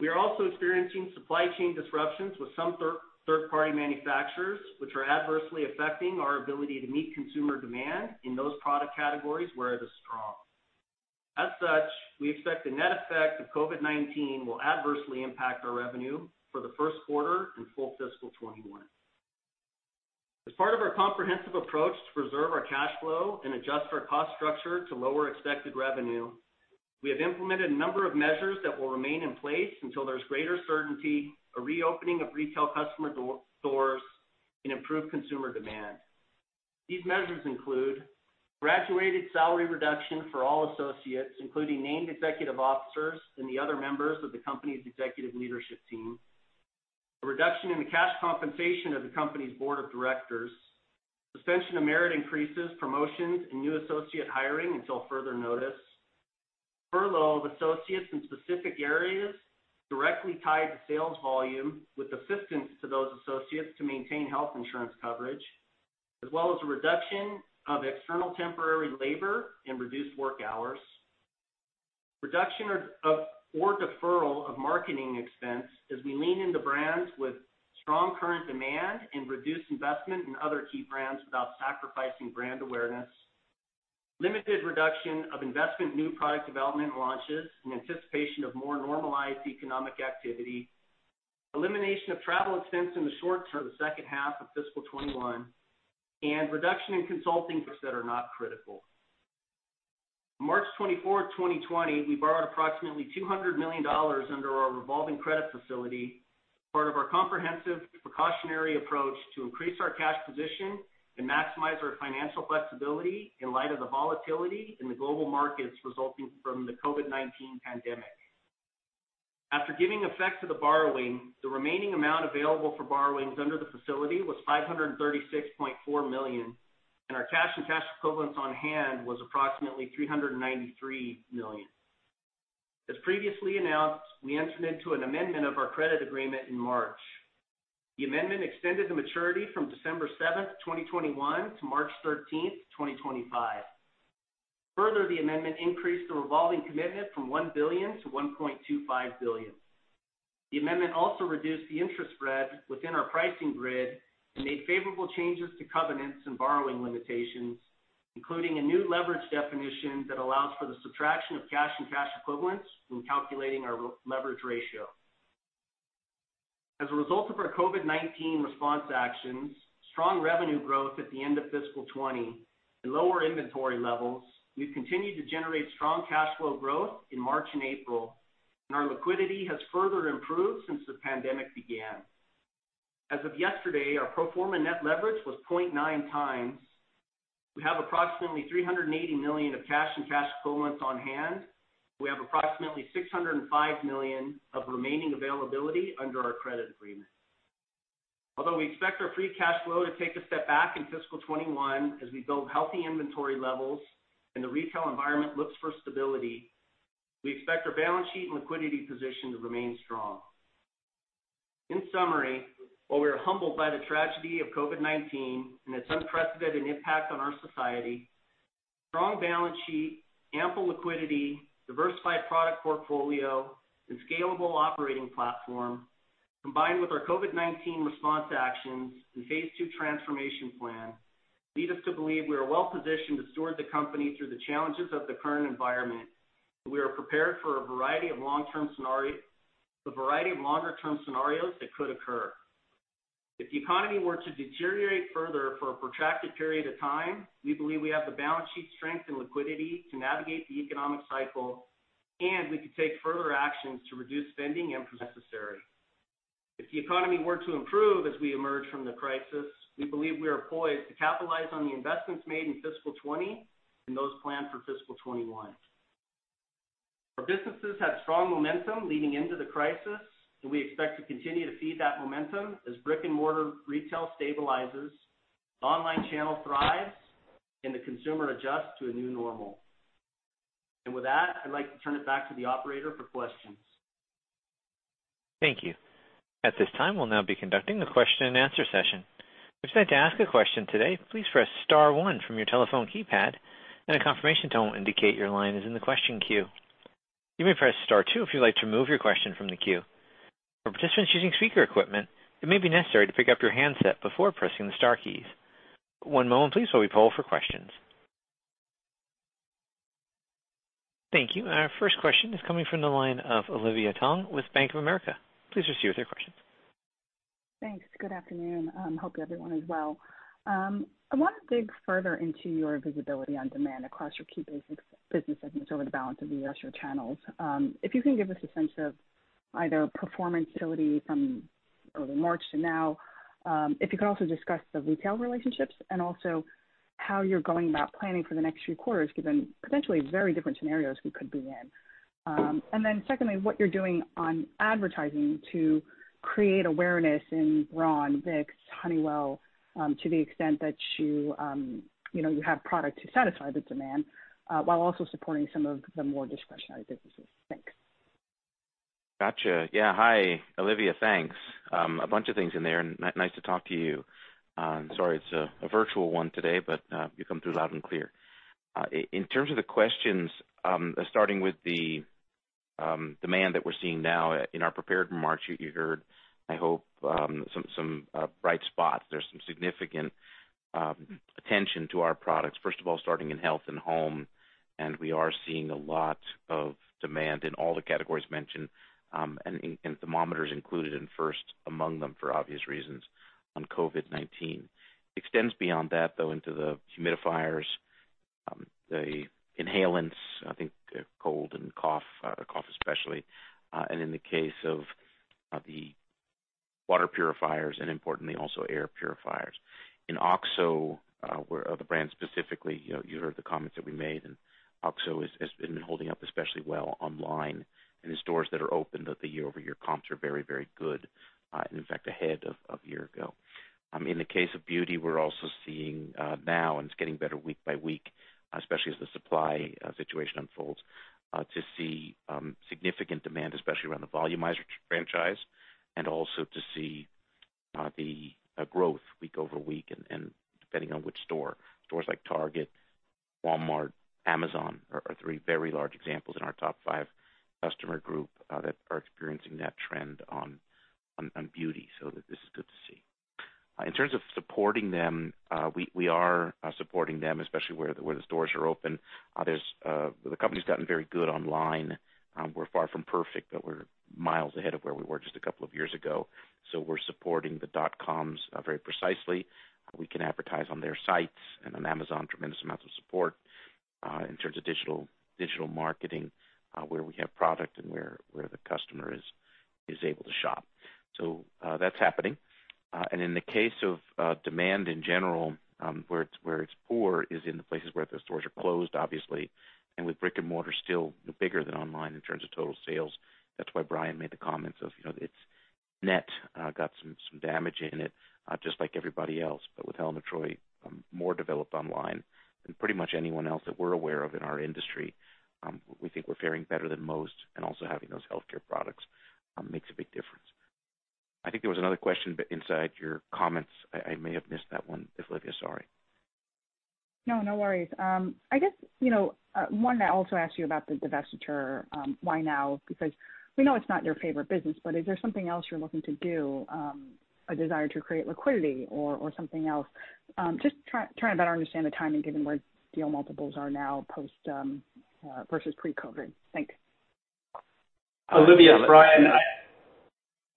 We are also experiencing supply chain disruptions with some third-party manufacturers, which are adversely affecting our ability to meet consumer demand in those product categories where it is strong. We expect the net effect of COVID-19 will adversely impact our revenue for the first quarter and full fiscal 2021. As part of our comprehensive approach to preserve our cash flow and adjust our cost structure to lower expected revenue, we have implemented a number of measures that will remain in place until there's greater certainty, a reopening of retail customer stores, and improved consumer demand. These measures include graduated salary reduction for all associates, including named executive officers and the other members of the company's executive leadership team, a reduction in the cash compensation of the company's board of directors, suspension of merit increases, promotions, and new associate hiring until further notice, furlough of associates in specific areas directly tied to sales volume with assistance to those associates to maintain health insurance coverage, as well as a reduction of external temporary labor and reduced work hours. Reduction or deferral of marketing expense as we lean into brands with strong current demand and reduce investment in other key brands without sacrificing brand awareness. Limited reduction of investment in new product development launches in anticipation of more normalized economic activity. Elimination of travel expense in the short term, the second half of fiscal 2021, and reduction in consulting that are not critical. On March 24, 2020, we borrowed approximately $200 million under our revolving credit facility, part of our comprehensive precautionary approach to increase our cash position and maximize our financial flexibility in light of the volatility in the global markets resulting from the COVID-19 pandemic. After giving effect to the borrowing, the remaining amount available for borrowings under the facility was $536.4 million. Our cash and cash equivalents on hand was approximately $393 million. As previously announced, we entered into an amendment of our credit agreement in March. The amendment extended the maturity from December 7th, 2021 to March 13th, 2025. Further, the amendment increased the revolving commitment from $1 billion to $1.25 billion. The amendment also reduced the interest spread within our pricing grid and made favorable changes to covenants and borrowing limitations, including a new leverage definition that allows for the subtraction of cash and cash equivalents when calculating our leverage ratio. As a result of our COVID-19 response actions, strong revenue growth at the end of fiscal 2020, and lower inventory levels, we've continued to generate strong cash flow growth in March and April, and our liquidity has further improved since the pandemic began. As of yesterday, our pro forma net leverage was 0.9x. We have approximately $380 million of cash and cash equivalents on hand. We have approximately $605 million of remaining availability under our credit agreement. Although we expect our free cash flow to take a step back in fiscal 2021 as we build healthy inventory levels and the retail environment looks for stability, we expect our balance sheet and liquidity position to remain strong. In summary, while we are humbled by the tragedy of COVID-19 and its unprecedented impact on our society, strong balance sheet, ample liquidity, diversified product portfolio, and scalable operating platform, combined with our COVID-19 response actions and Phase II transformation plan, lead us to believe we are well positioned to steward the company through the challenges of the current environment, and we are prepared for a variety of longer-term scenarios that could occur. If the economy were to deteriorate further for a protracted period of time, we believe we have the balance sheet strength and liquidity to navigate the economic cycle, and we could take further actions to reduce spending if necessary. If the economy were to improve as we emerge from the crisis, we believe we are poised to capitalize on the investments made in fiscal 2020 and those planned for fiscal 2021. Our businesses had strong momentum leading into the crisis, we expect to continue to feed that momentum as brick-and-mortar retail stabilizes, the online channel thrives, and the consumer adjusts to a new normal. With that, I'd like to turn it back to the operator for questions. Thank you. At this time, we'll now be conducting a question and answer session. If you'd like to ask a question today, please press star one from your telephone keypad, and a confirmation tone will indicate your line is in the question queue. You may press star two if you'd like to remove your question from the queue. For participants using speaker equipment, it may be necessary to pick up your handset before pressing the star keys. One moment please while we poll for questions. Thank you. Our first question is coming from the line of Olivia Tong with Bank of America. Please proceed with your questions. Thanks. Good afternoon. Hope everyone is well. I want to dig further into your visibility on demand across your key basic business segments over the balance of the year as your channels. If you can give us a sense of either performance ability from early March to now, if you could also discuss the retail relationships and also how you're going about planning for the next few quarters, given potentially very different scenarios we could be in. Secondly, what you're doing on advertising to create awareness in Braun, Vicks, Honeywell, to the extent that you have product to satisfy the demand, while also supporting some of the more discretionary businesses. Thanks. Got you. Yeah. Hi, Olivia. Thanks. A bunch of things in there, and nice to talk to you. Sorry, it's a virtual one today, but you come through loud and clear. In terms of the questions, starting with the demand that we're seeing now, in our prepared remarks, you heard, I hope, some bright spots. There's some significant attention to our products. First of all, starting in Health & Home, and we are seeing a lot of demand in all the categories mentioned, and thermometers included in first among them for obvious reasons on COVID-19. Extends beyond that, though, into the humidifiers, the inhalants, I think cold and cough especially, and in the case of the water purifiers and importantly also air purifiers. In OXO, the brand specifically, you heard the comments that we made. OXO has been holding up especially well online and in stores that are open that the year-over-year comps are very good. In fact, ahead of a year ago. In the case of beauty, we're also seeing now, it's getting better week by week, especially as the supply situation unfolds, to see significant demand, especially around the Volumizer franchise. Also to see the growth week over week and depending on which store. Stores like Target, Walmart, Amazon are three very large examples in our top five customer group that are experiencing that trend on beauty. This is good to see. In terms of supporting them, we are supporting them, especially where the stores are open. The company's gotten very good online. We're far from perfect, but we're miles ahead of where we were just a couple of years ago. We're supporting the dot-coms very precisely. We can advertise on their sites and on Amazon, tremendous amounts of support in terms of digital marketing where we have product and where the customer is able to shop. That's happening. In the case of demand in general, where it's poor is in the places where the stores are closed, obviously. With brick and mortar still bigger than online in terms of total sales, that's why Brian made the comments of Net got some damage in it, just like everybody else. With Helen of Troy more developed online than pretty much anyone else that we're aware of in our industry, we think we're faring better than most, and also having those healthcare products makes a big difference. I think there was another question inside your comments. I may have missed that one, if, Olivia, sorry. No, no worries. I guess, one, I also asked you about the divestiture, why now? We know it's not your favorite business, but is there something else you're looking to do, a desire to create liquidity or something else? Just trying to better understand the timing, given where deal multiples are now post versus pre-COVID-19. Thanks. Olivia, it's Brian.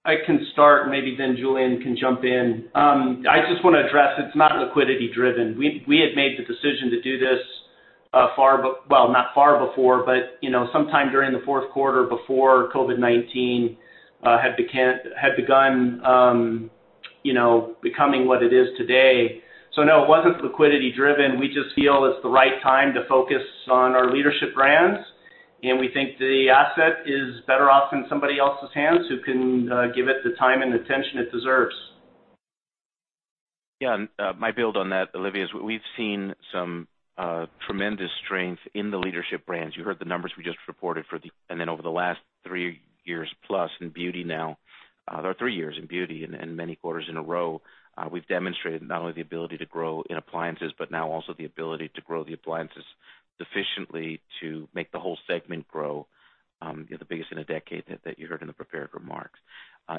I can start, maybe Julien can jump in. I just want to address, it's not liquidity driven. We had made the decision to do this, well, not far before, but sometime during the fourth quarter before COVID-19 had begun becoming what it is today. No, it wasn't liquidity driven. We just feel it's the right time to focus on our leadership brands, and we think the asset is better off in somebody else's hands who can give it the time and attention it deserves. My build on that, Olivia, is we've seen some tremendous strength in the leadership brands. You heard the numbers we just reported, over the last three years in beauty and many quarters in a row, we've demonstrated not only the ability to grow in appliances, but now also the ability to grow the appliances sufficiently to make the whole segment grow the biggest in a decade that you heard in the prepared remarks.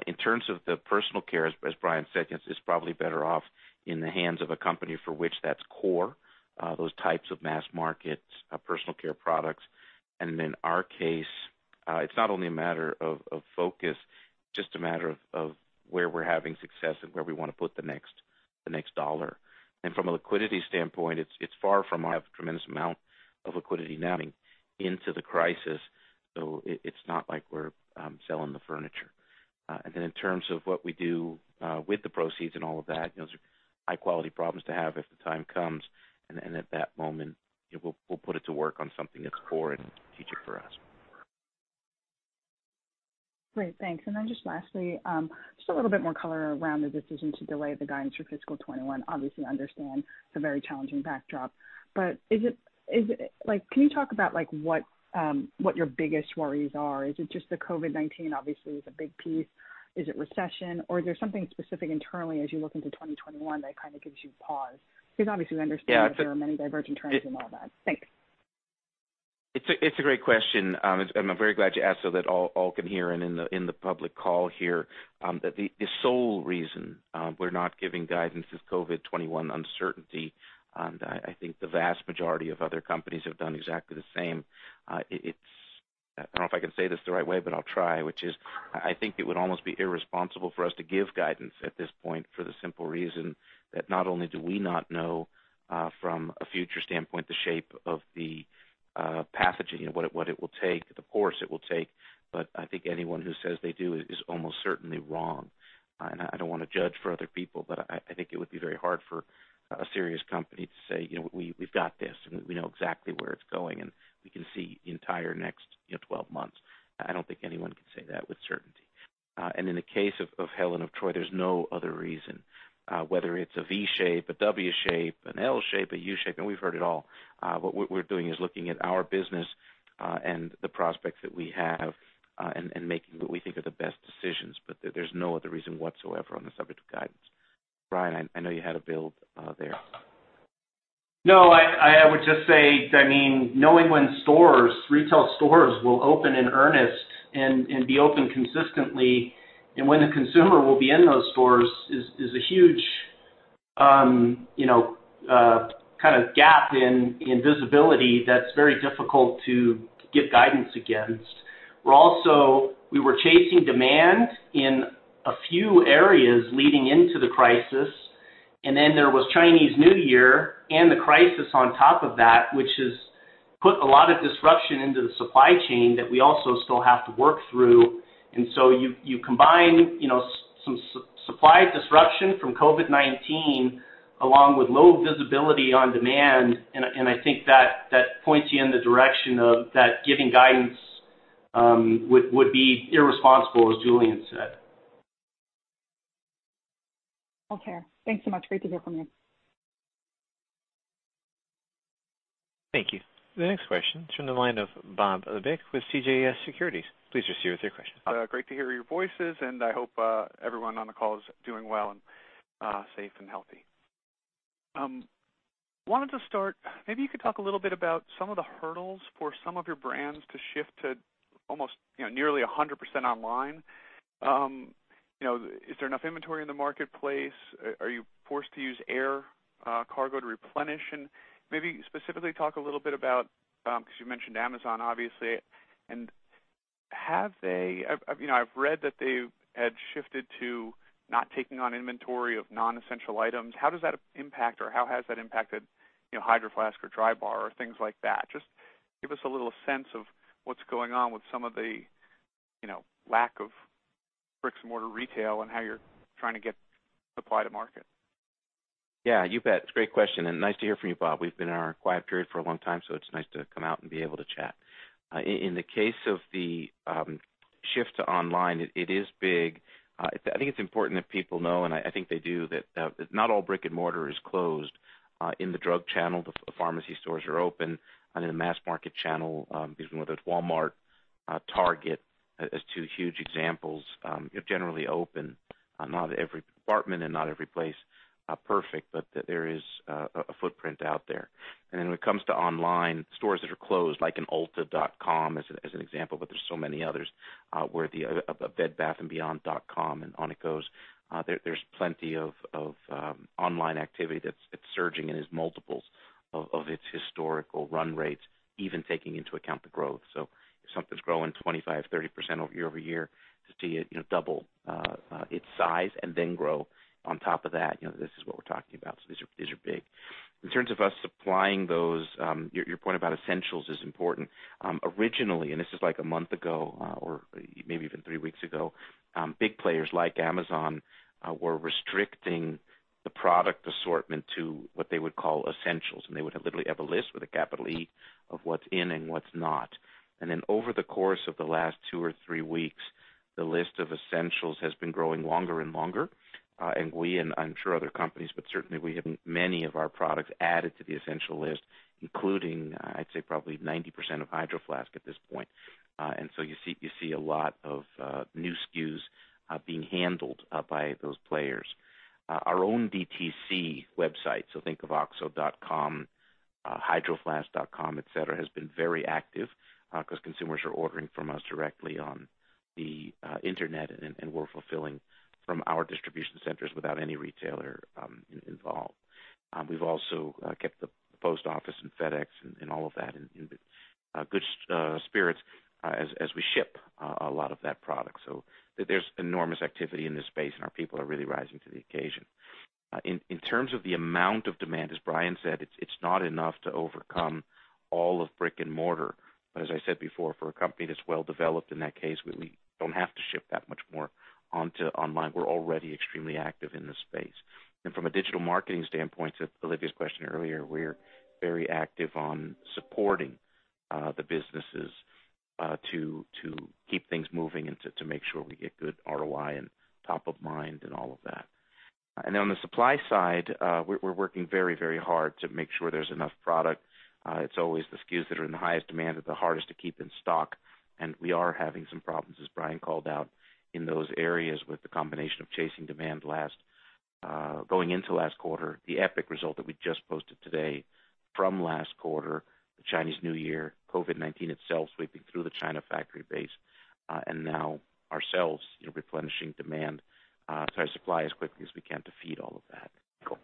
In terms of the personal care, as Brian said, it's probably better off in the hands of a company for which that's core, those types of mass market personal care products. In our case, it's not only a matter of focus, just a matter of where we're having success and where we want to put the next dollar. From a liquidity standpoint, it's far from our tremendous amount of liquidity now into the crisis, so it's not like we're selling the furniture. In terms of what we do with the proceeds and all of that, those are high-quality problems to have if the time comes, and at that moment, we'll put it to work on something that's core and strategic for us. Great, thanks. Just lastly, just a little bit more color around the decision to delay the guidance for fiscal 2021. Obviously understand it's a very challenging backdrop, can you talk about what your biggest worries are? Is it just the COVID-19 obviously is a big piece? Is it recession, or is there something specific internally as you look into 2021 that kind of gives you pause- Yeah, it's.... there are many divergent trends and all that. Thanks. It's a great question. I'm very glad you asked so that all can hear and in the public call here. The sole reason we're not giving guidance is COVID 2021 uncertainty, and I think the vast majority of other companies have done exactly the same. I don't know if I can say this the right way, but I'll try, which is I think it would almost be irresponsible for us to give guidance at this point for the simple reason that not only do we not know from a future standpoint the shape of the pathogen, what it will take, the course it will take, but I think anyone who says they do is almost certainly wrong. I don't want to judge for other people, I think it would be very hard for a serious company to say, "We've got this, and we know exactly where it's going, and we can see the entire next 12 months." I don't think anyone can say that with certainty. In the case of Helen of Troy, there's no other reason. Whether it's a V shape, a W shape, an L shape, a U shape, and we've heard it all. What we're doing is looking at our business, and the prospects that we have, and making what we think are the best decisions. There's no other reason whatsoever on the subject of guidance. Brian, I know you had a build there. No, I would just say, knowing when retail stores will open in earnest and be open consistently, and when the consumer will be in those stores is a huge kind of gap in visibility that's very difficult to give guidance against. We were chasing demand in a few areas leading into the crisis, and then there was Chinese New Year and the crisis on top of that, which has put a lot of disruption into the supply chain that we also still have to work through. You combine some supply disruption from COVID-19 along with low visibility on demand, and I think that points you in the direction of that giving guidance would be irresponsible, as Julien said. Okay. Thanks so much. Great to hear from you. Thank you. The next question is from the line of Bob Labick with CJS Securities. Please proceed with your question. Great to hear your voices. I hope everyone on the call is doing well and safe and healthy. Wanted to start, maybe you could talk a little bit about some of the hurdles for some of your brands to shift to almost nearly 100% online. Is there enough inventory in the marketplace? Are you forced to use air cargo to replenish? Maybe specifically talk a little bit about, because you mentioned Amazon, obviously. I've read that they had shifted to not taking on inventory of non-essential items. How does that impact, or how has that impacted Hydro Flask or Drybar or things like that? Just give us a little sense of what's going on with some of the lack of bricks-and-mortar retail and how you're trying to get supply to market. Yeah, you bet. It's a great question. Nice to hear from you, Bob. We've been in our quiet period for a long time. It's nice to come out and be able to chat. In the case of the shift to online, it is big. I think it's important that people know, I think they do, that not all brick and mortar is closed. In the drug channel, the pharmacy stores are open. In the mass market channel, whether it's Walmart, Target, as two huge examples, are generally open. Not every department and not every place perfect, there is a footprint out there. When it comes to online, stores that are closed, like an Ulta.com as an example, there's so many others, a bedbathandbeyond.com on it goes. There's plenty of online activity that's surging and is multiples of its historical run rates, even taking into account the growth. If something's growing 25%-30% year-over-year, to see it double its size and then grow on top of that, this is what we're talking about. These are big. In terms of us supplying those, your point about essentials is important. Originally, this is like a month ago, or maybe even three weeks ago, big players like Amazon were restricting the product assortment to what they would call essentials, and they would literally have a list with a capital E of what's in and what's not. Over the course of the last two or three weeks, the list of essentials has been growing longer and longer. We, and I'm sure other companies, but certainly we have many of our products added to the essential list, including, I'd say, probably 90% of Hydro Flask at this point. You see a lot of new SKUs being handled by those players. Our own DTC website, so think of oxo.com, hydroflask.com, et cetera, has been very active, because consumers are ordering from us directly on the internet, and we're fulfilling from our distribution centers without any retailer involved. We've also kept the post office and FedEx and all of that in good spirits as we ship a lot of that product. There's enormous activity in this space, and our people are really rising to the occasion. In terms of the amount of demand, as Brian said, it's not enough to overcome all of brick and mortar. As I said before, for a company that's well developed, in that case, we don't have to ship that much more onto online. We're already extremely active in this space. From a digital marketing standpoint, to Olivia's question earlier, we're very active on supporting the businesses to keep things moving and to make sure we get good ROI and top of mind and all of that. Then on the supply side, we're working very hard to make sure there's enough product. It's always the SKUs that are in the highest demand that are the hardest to keep in stock. We are having some problems, as Brian called out, in those areas with the combination of chasing demand going into last quarter. The epic result that we just posted today from last quarter, the Chinese New Year, COVID-19 itself sweeping through the China factory base, and now ourselves replenishing supply as quickly as we can to feed all of that. Cool.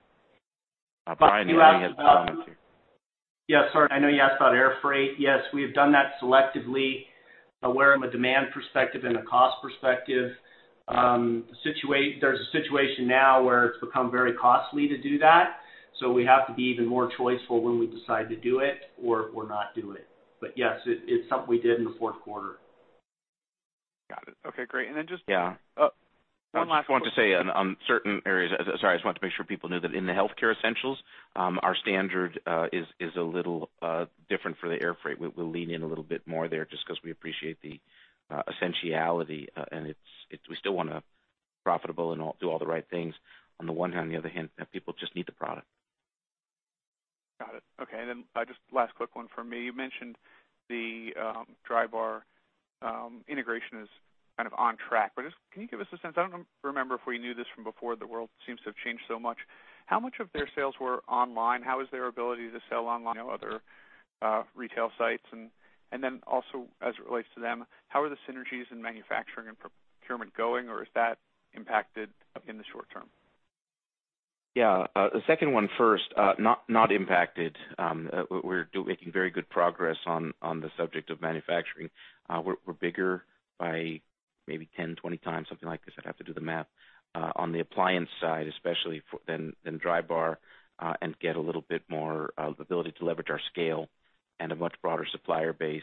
Brian, anything you want to comment here? Yes, sorry. I know you asked about air freight. Yes, we have done that selectively, where from a demand perspective and a cost perspective, there's a situation now where it's become very costly to do that. We have to be even more choiceful when we decide to do it or not do it. Yes, it's something we did in the fourth quarter. Got it. Okay, great. Yeah. One last one. I just wanted to say on certain areas, sorry, I just wanted to make sure people knew that in the healthcare essentials, our standard is a little different for the air freight. We'll lean in a little bit more there just because we appreciate the essentiality, and we still want to be profitable and do all the right things on the one hand. On the other hand, people just need the product. Got it. Okay. Just last quick one from me. You mentioned the Drybar integration is kind of on track, but can you give us a sense? I don't remember if we knew this from before. The world seems to have changed so much. How much of their sales were online? How is their ability to sell online on other retail sites? Also, as it relates to them, how are the synergies in manufacturing and procurement going? Is that impacted in the short term? The second one first. Not impacted. We're making very good progress on the subject of manufacturing. We're bigger by maybe 10x, 20x, something like this, I'd have to do the math, on the appliance side, especially than Drybar, and get a little bit more ability to leverage our scale and a much broader supplier base.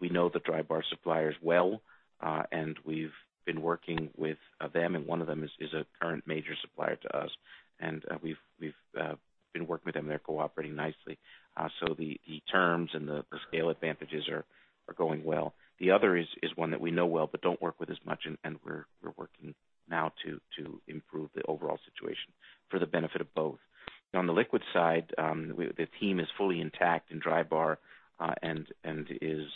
We know the Drybar suppliers well, and we've been working with them, and one of them is a current major supplier to us. We've been working with them. They're cooperating nicely. The terms and the scale advantages are going well. The other is one that we know well but don't work with as much, and we're working now to improve the overall situation for the benefit of both. On the liquid side, the team is fully intact in Drybar, and is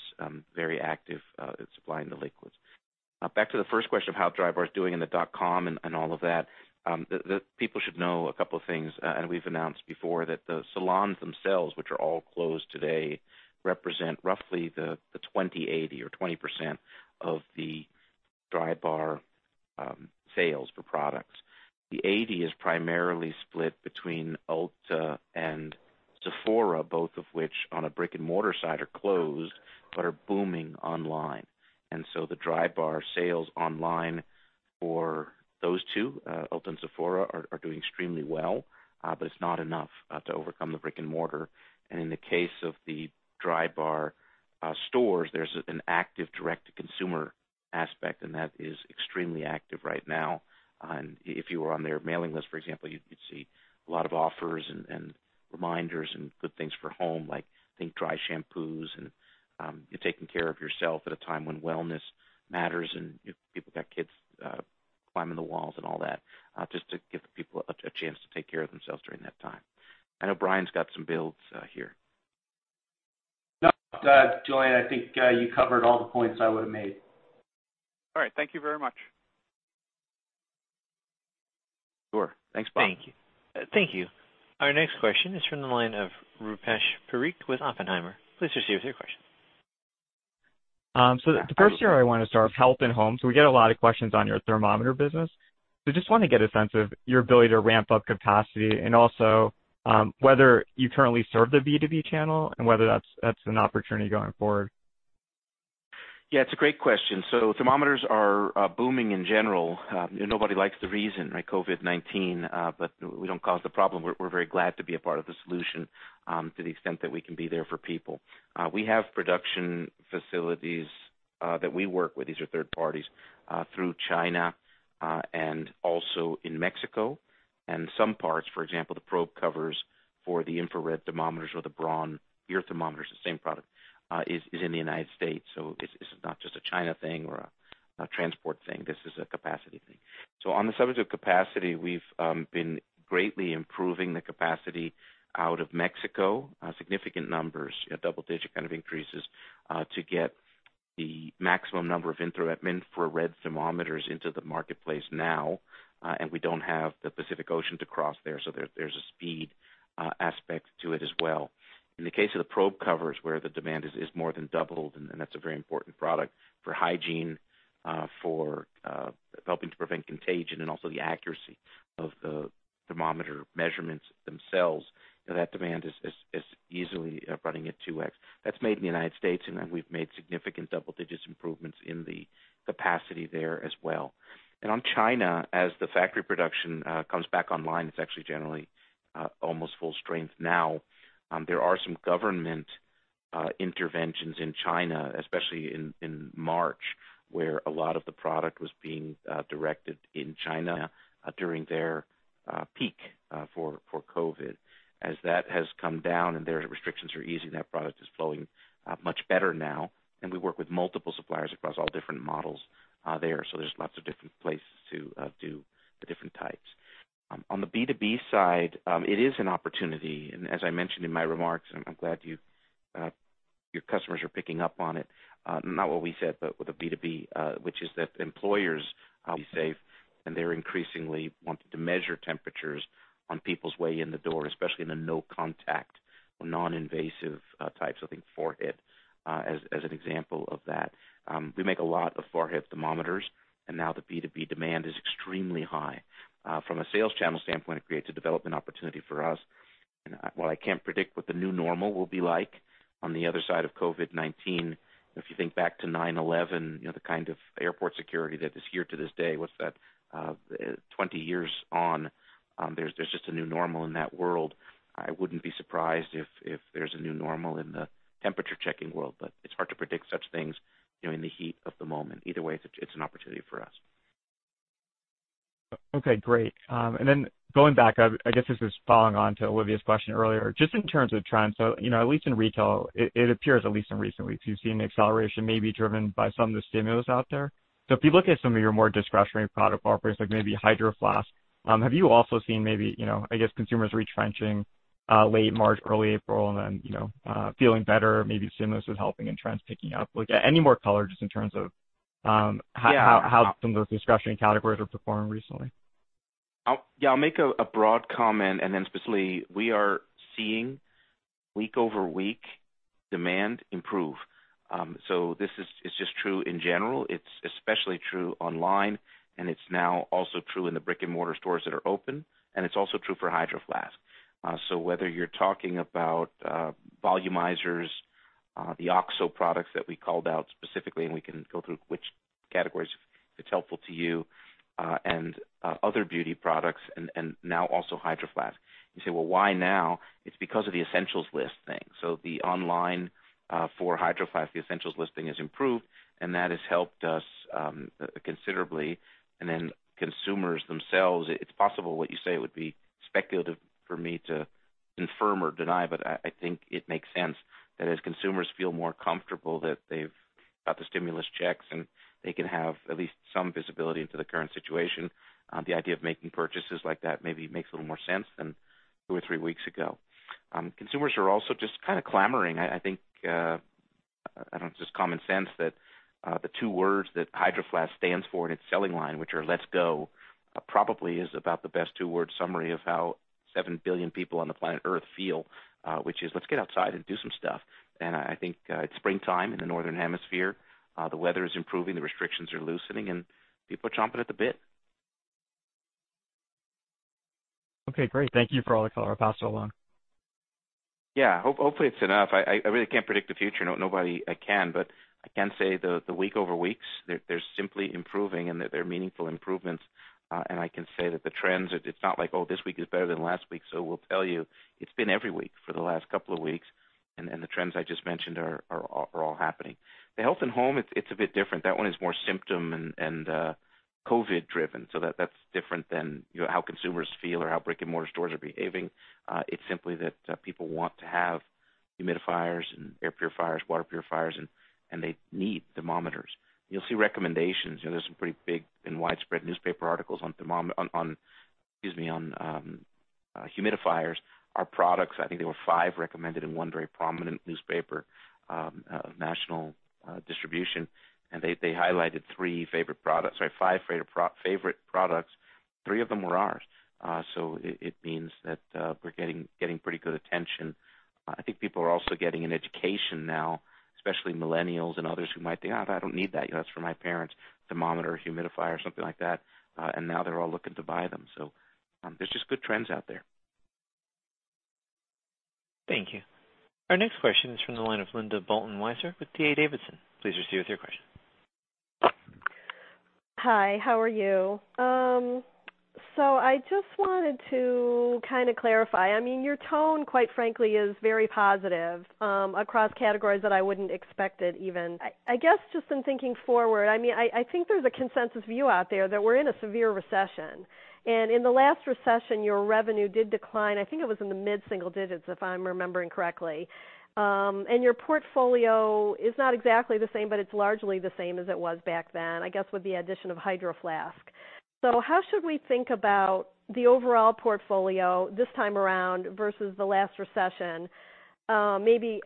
very active at supplying the liquids. Back to the first question of how Drybar is doing in the dot-com and all of that. People should know a couple of things, and we've announced before that the salons themselves, which are all closed today, represent roughly the 20/80 or 20% of the Drybar sales for products. The 80% is primarily split between Ulta and Sephora, both of which, on a brick-and-mortar side, are closed, but are booming online. The Drybar sales online for those two, Ulta and Sephora, are doing extremely well, but it's not enough to overcome the brick and mortar. In the case of the Drybar stores, there's an active direct-to-consumer aspect, and that is extremely active right now. If you are on their mailing list, for example, you'd see a lot of offers and reminders and good things for home, like think dry shampoos and taking care of yourself at a time when wellness matters and people got kids climbing the walls and all that, just to give people a chance to take care of themselves during that time. I know Brian's got some builds here. No. Julien, I think you covered all the points I would have made. All right. Thank you very much. Sure. Thanks, Bob. Thank you. Our next question is from the line of Rupesh Parikh with Oppenheimer. Please proceed with your question. The first area I want to start is Health & Home. We get a lot of questions on your thermometer business. Just want to get a sense of your ability to ramp up capacity and also whether you currently serve the B2B channel and whether that's an opportunity going forward. It's a great question. Thermometers are booming in general. Nobody likes the reason, COVID-19, but we don't cause the problem. We're very glad to be a part of the solution to the extent that we can be there for people. We have production facilities that we work with, these are third parties, through China, and also in Mexico and some parts, for example, the probe covers for the infrared thermometers or the Braun ear thermometers, the same product, is in the U.S. This is not just a China thing or a transport thing. This is a capacity thing. On the subject of capacity, we've been greatly improving the capacity out of Mexico. Significant numbers, double-digit kind of increases, to get the maximum number of infrared thermometers into the marketplace now. We don't have the Pacific Ocean to cross there, so there's a speed aspect to it as well. In the case of the probe covers, where the demand is more than doubled, and that's a very important product for hygiene, for helping to prevent contagion, and also the accuracy of the thermometer measurements themselves. That demand is easily running at 2x. That's made in the U.S., and we've made significant double-digit improvements in the capacity there as well. On China, as the factory production comes back online, it's actually generally almost full strength now. There are some government interventions in China, especially in March, where a lot of the product was being directed in China during their peak for COVID-19. As that has come down and their restrictions are easing, that product is flowing much better now. We work with multiple suppliers across all different models there. There's lots of different places to do the different types. On the B2B side, it is an opportunity, and as I mentioned in my remarks, I'm glad your customers are picking up on it. Not what we said, but with the B2B which is that employers, be safe, and they're increasingly wanting to measure temperatures on people's way in the door, especially in a no contact or non-invasive type, so I think forehead, as an example of that. We make a lot of forehead thermometers, and now the B2B demand is extremely high. From a sales channel standpoint, it creates a development opportunity for us. While I can't predict what the new normal will be like on the other side of COVID-19, if you think back to 9/11, the kind of airport security that is here to this day, what's that? 20 years on, there's just a new normal in that world. I wouldn't be surprised if there's a new normal in the temperature checking world, but it's hard to predict such things in the heat of the moment. Either way, it's an opportunity for us. Okay, great. Going back, I guess this is following on to Olivia's question earlier, just in terms of trends, at least in retail, it appears at least in recent weeks, you've seen the acceleration may be driven by some of the stimulus out there. If you look at some of your more discretionary product offerings, like maybe Hydro Flask, have you also seen maybe, I guess consumers retrenching late March, early April, and then feeling better, maybe stimulus is helping and trends picking up. Any more color just in terms of how some of those discretionary categories are performing recently? Yeah, I'll make a broad comment, and then specifically, we are seeing week-over-week demand improve. This is just true in general. It's especially true online, and it's now also true in the brick and mortar stores that are open. It's also true for Hydro Flask. Whether you're talking about volumizers, the OXO products that we called out specifically, and we can go through which categories if it's helpful to you, and other beauty products and now also Hydro Flask. You say, "Well, why now?" It's because of the essentials list thing. The online for Hydro Flask, the essentials listing has improved, and that has helped us considerably. Consumers themselves, it's possible what you say would be speculative for me to confirm or deny, but I think it makes sense that as consumers feel more comfortable that they've got the stimulus checks and they can have at least some visibility into the current situation, the idea of making purchases like that maybe makes a little more sense than two or three weeks ago. Consumers are also just kind of clamoring, I think, I don't know, just common sense that the two words that Hydro Flask stands for in its selling line, which are let's go, probably is about the best two word summary of how 7 billion people on the planet Earth feel, which is let's get outside and do some stuff. I think it's springtime in the Northern Hemisphere. The weather is improving, the restrictions are loosening, and people are chomping at the bit. Okay, great. Thank you for all the color, I'll pass it along. Yeah. Hopefully it's enough. I really can't predict the future. Nobody can. I can say the week over weeks, they're simply improving and that they're meaningful improvements. I can say that the trends are, it's not like this week is better than last week, we'll tell you. It's been every week for the last couple of weeks, the trends I just mentioned are all happening. The Health & Home, it's a bit different. That one is more symptom and COVID driven. That's different than how consumers feel or how brick and mortar stores are behaving. It's simply that people want to have humidifiers and air purifiers, water purifiers, and they need thermometers. You'll see recommendations. There's some pretty big and widespread newspaper articles on humidifiers. Our products, I think there were five recommended in one very prominent newspaper, of national distribution. They highlighted three favorite products. Sorry, five favorite products. Three of them were ours. It means that we're getting pretty good attention. I think people are also getting an education now, especially millennials and others who might think, "Oh, I don't need that. That's for my parents." Thermometer, humidifier, something like that. Now they're all looking to buy them. There's just good trends out there. Thank you. Our next question is from the line of Linda Bolton-Weiser with D.A. Davidson. Please proceed with your question. Hi, how are you? I just wanted to kind of clarify. Your tone, quite frankly, is very positive, across categories that I wouldn't expect it even. I guess, just in thinking forward, I think there's a consensus view out there that we're in a severe recession, in the last recession, your revenue did decline. I think it was in the mid-single digits, if I'm remembering correctly. Your portfolio is not exactly the same, but it's largely the same as it was back then, I guess, with the addition of Hydro Flask. How should we think about the overall portfolio this time around versus the last recession? Maybe,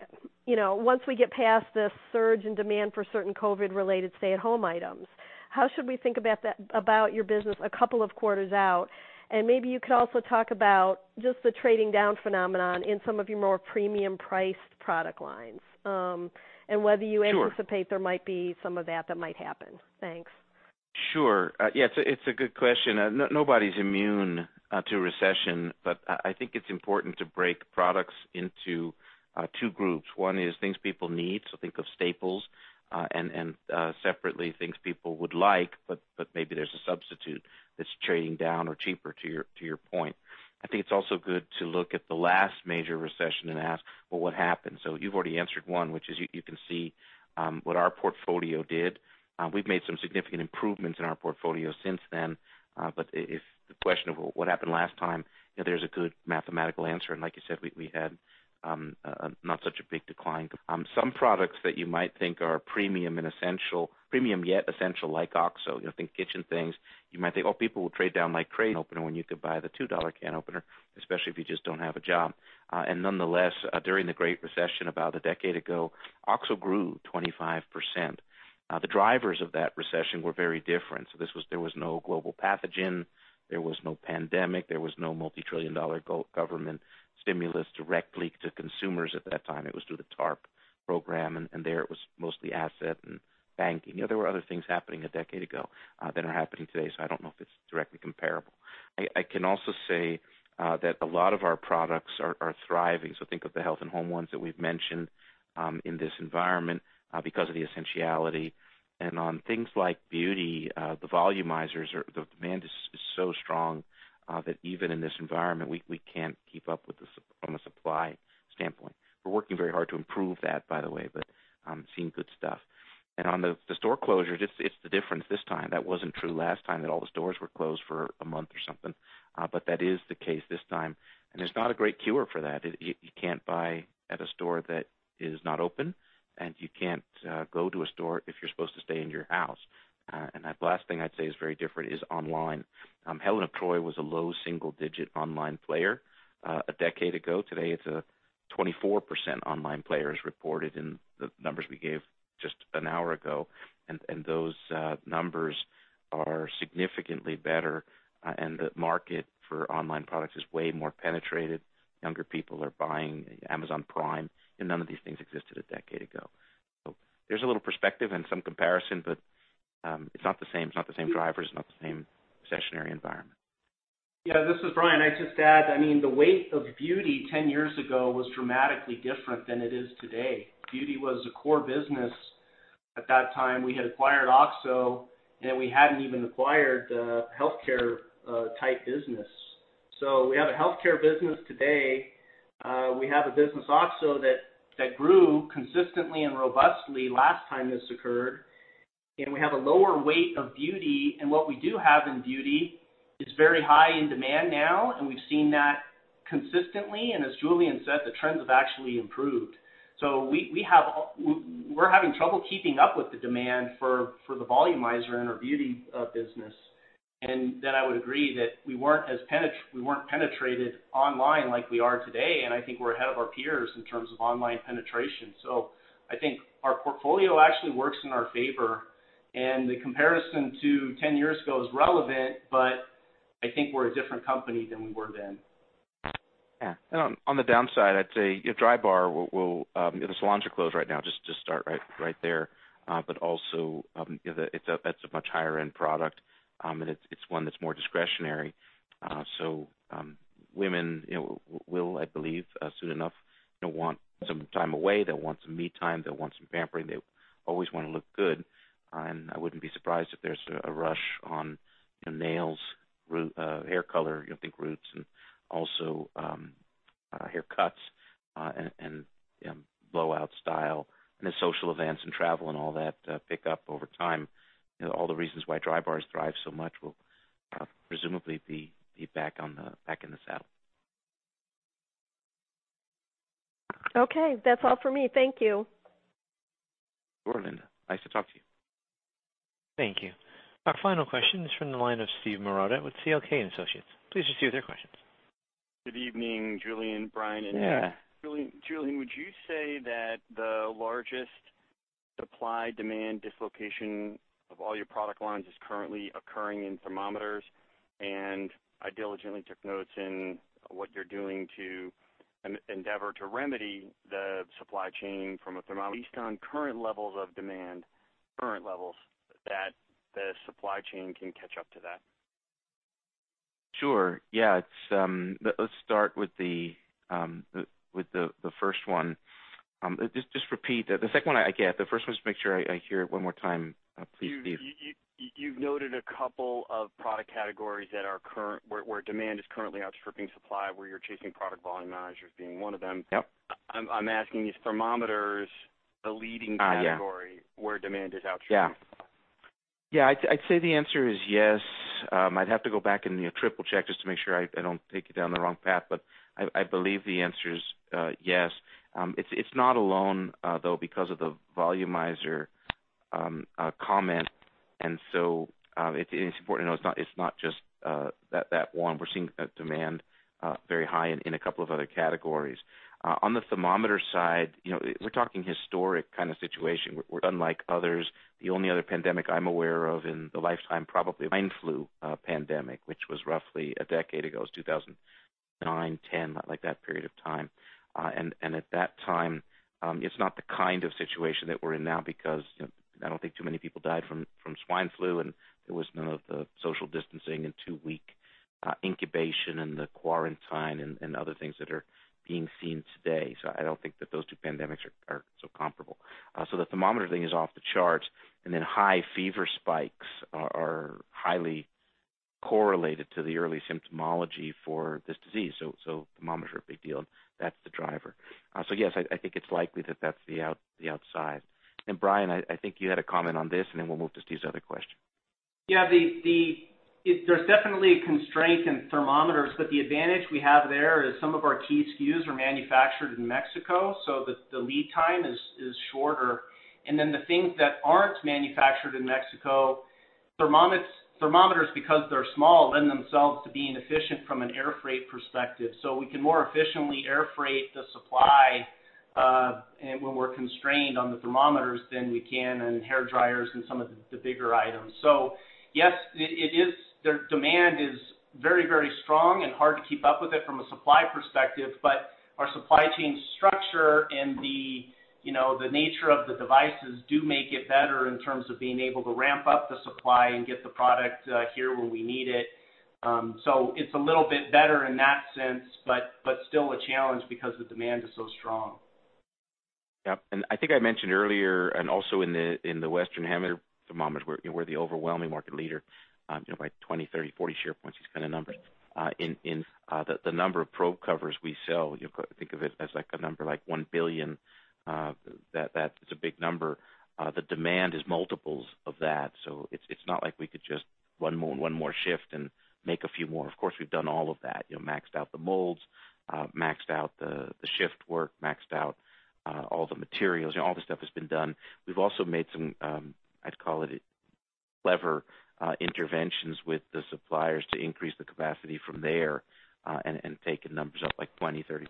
once we get past this surge in demand for certain COVID-19 related stay at home items, how should we think about your business a couple of quarters out? Maybe you could also talk about just the trading down phenomenon in some of your more premium priced product lines, and whether you-? Sure anticipate there might be some of that that might happen. Thanks. Sure. Yeah, it's a good question. Nobody's immune to recession. I think it's important to break products into two groups. One is things people need, so think of staples, and separately, things people would like, but maybe there's a substitute that's trading down or cheaper to your point. I think it's also good to look at the last major recession and ask, "Well, what happened?" You've already answered one, which is you can see what our portfolio did. We've made some significant improvements in our portfolio since then. If the question of what happened last time, there's a good mathematical answer. Like you said, we had not such a big decline. Some products that you might think are premium and essential, premium yet essential, like OXO, think kitchen things. You might think, oh, people will trade down my can opener when you could buy the $2 can opener, especially if you just don't have a job. Nonetheless, during the Great Recession about a decade ago, OXO grew 25%. The drivers of that recession were very different. There was no global pathogen. There was no pandemic. There was no multi-trillion dollar government stimulus directly to consumers at that time. It was through the TARP program, and there it was mostly asset and banking. There were other things happening a decade ago that are happening today. I don't know if it's directly comparable. I can also say that a lot of our products are thriving. Think of the Health & Home ones that we've mentioned, in this environment, because of the essentiality and on things like beauty, the volumizers, the demand is so strong that even in this environment, we can't keep up from a supply standpoint. We're working very hard to improve that, by the way. Seeing good stuff. On the store closure, it's the difference this time. That wasn't true last time that all the stores were closed for a month or something. That is the case this time, and there's not a great cure for that. You can't buy at a store that is not open, and you can't go to a store if you're supposed to stay in your house. The last thing I'd say is very different is online. Helen of Troy was a low single digit online player a decade ago. Today, it's a 24% online player, as reported in the numbers we gave just an hour ago. Those numbers are significantly better, and the market for online products is way more penetrated. Younger people are buying Amazon Prime. None of these things existed a decade ago. There's a little perspective and some comparison, but it's not the same. It's not the same drivers, it's not the same recessionary environment. This is Brian. I'd just add, the weight of beauty 10 years ago was dramatically different than it is today. Beauty was a core business at that time. We had acquired OXO, and we hadn't even acquired the healthcare type business. We have a healthcare business today. We have a business, OXO, that grew consistently and robustly last time this occurred. We have a lower weight of beauty. What we do have in beauty is very high in demand now, and we've seen that consistently. As Julien said, the trends have actually improved. We're having trouble keeping up with the demand for the Volumizer in our beauty business. I would agree that we weren't penetrated online like we are today, and I think we're ahead of our peers in terms of online penetration. I think our portfolio actually works in our favor, and the comparison to 10 years ago is relevant, but I think we're a different company than we were then. Yeah. On the downside, I'd say Drybar. The salons are closed right now, just to start right there. Also, that's a much higher end product, and it's one that's more discretionary. Women will, I believe, soon enough, want some time away. They'll want some me time. They'll want some pampering. They always want to look good. I wouldn't be surprised if there's a rush on nails, hair color, think roots, and also haircuts, and blowout style, and as social events and travel and all that pick up over time. All the reasons why Drybar thrives so much will presumably be back in the saddle. Okay. That's all for me. Thank you. Linda, nice to talk to you. Thank you. Our final question is from the line of Steve Marotta with C.L. King & Associates. Please proceed with your questions. Good evening, Julien, Brian, and Jack. Yeah. Julien, would you say that the largest supply-demand dislocation of all your product lines is currently occurring in thermometers? I diligently took notes in what you are doing to endeavor to remedy the supply chain from a thermometer, based on current levels of demand that the supply chain can catch up to that. Sure. Yeah. Let's start with the first one. Just repeat. The second one I get. The first one, just make sure I hear it one more time, please, Steve. You've noted a couple of product categories where demand is currently outstripping supply, where you're chasing product volume, Volumizers being one of them. Yep. I'm asking, is thermometers the leading category? Yeah. where demand is outstripping supply? Yeah. I'd say the answer is yes. I'd have to go back and triple-check just to make sure I don't take you down the wrong path, but I believe the answer is yes. It's not alone, though, because of the Volumizer comment, and so it's important to know it's not just that one. We're seeing demand very high in a couple of other categories. On the thermometer side, we're talking historic kind of situation. We're unlike others. The only other pandemic I'm aware of in the lifetime, probably swine flu pandemic, which was roughly a decade ago. It was 2009, 2010, like that period of time. At that time, it's not the kind of situation that we're in now because I don't think too many people died from swine flu, and there was none of the social distancing and two-week incubation and the quarantine and other things that are being seen today. I don't think that those two pandemics are so comparable. The thermometer thing is off the charts, and then high fever spikes are highly correlated to the early symptomology for this disease. Thermometers are a big deal. That's the driver. Yes, I think it's likely that that's the outside. Brian, I think you had a comment on this, and then we'll move to Steve's other question. There's definitely a constraint in thermometers, but the advantage we have there is some of our key SKUs are manufactured in Mexico, so the lead time is shorter. The things that aren't manufactured in Mexico, thermometers, because they're small, lend themselves to being efficient from an air freight perspective. We can more efficiently air freight the supply, when we're constrained on the thermometers, than we can on hairdryers and some of the bigger items. Yes, their demand is very strong and hard to keep up with it from a supply perspective, but our supply chain structure and the nature of the devices do make it better in terms of being able to ramp up the supply and get the product here when we need it. It's a little bit better in that sense, but still a challenge because the demand is so strong. Yep. I think I mentioned earlier, and also in the Western Hemisphere, thermometers, we're the overwhelming market leader, by 20, 30, 40 share points, these kind of numbers. In the number of probe covers we sell, think of it as, like a number, like 1 billion. That's a big number. The demand is multiples of that, so it's not like we could just one more shift and make a few more. Of course, we've done all of that. Maxed out the molds, maxed out the shift work, maxed out all the materials. All the stuff has been done. We've also made some, I'd call it lever interventions with the suppliers to increase the capacity from there, and taken numbers up, like 20%, 30%,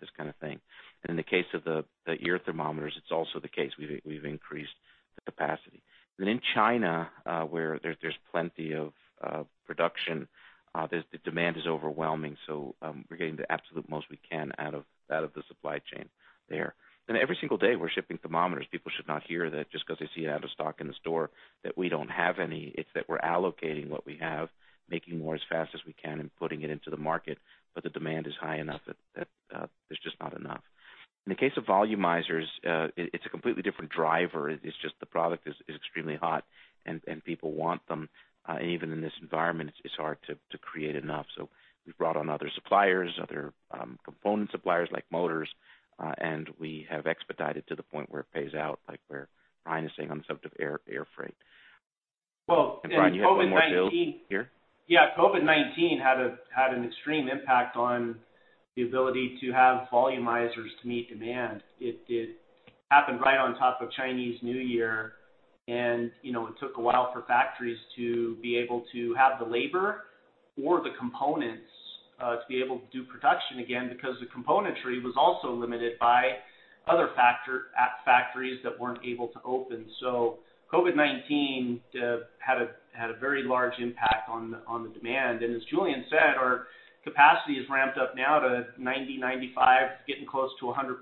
this kind of thing. In the case of the ear thermometers, it's also the case. We've increased the capacity. In China, where there's plenty of production, the demand is overwhelming, so we're getting the absolute most we can out of the supply chain there. Every single day, we're shipping thermometers. People should not hear that just because they see out of stock in the store that we don't have any. It's that we're allocating what we have, making more as fast as we can, and putting it into the market. The demand is high enough that there's just not enough. In the case of volumizers, it's a completely different driver. It's just the product is extremely hot. People want them. Even in this environment, it's hard to create enough. We've brought on other suppliers, other component suppliers, like motors. We have expedited to the point where it pays out, like where Brian is saying on the subject of air freight. Brian, you had one more build here? Yeah. COVID-19 had an extreme impact on the ability to have Volumizers to meet demand. It happened right on top of Chinese New Year. It took a while for factories to be able to have the labor or the components, to be able to do production again, because the componentry was also limited by other factories that weren't able to open. COVID-19 had a very large impact on the demand. As Julien said, our capacity is ramped up now to 90%, 95%, getting close to 100%.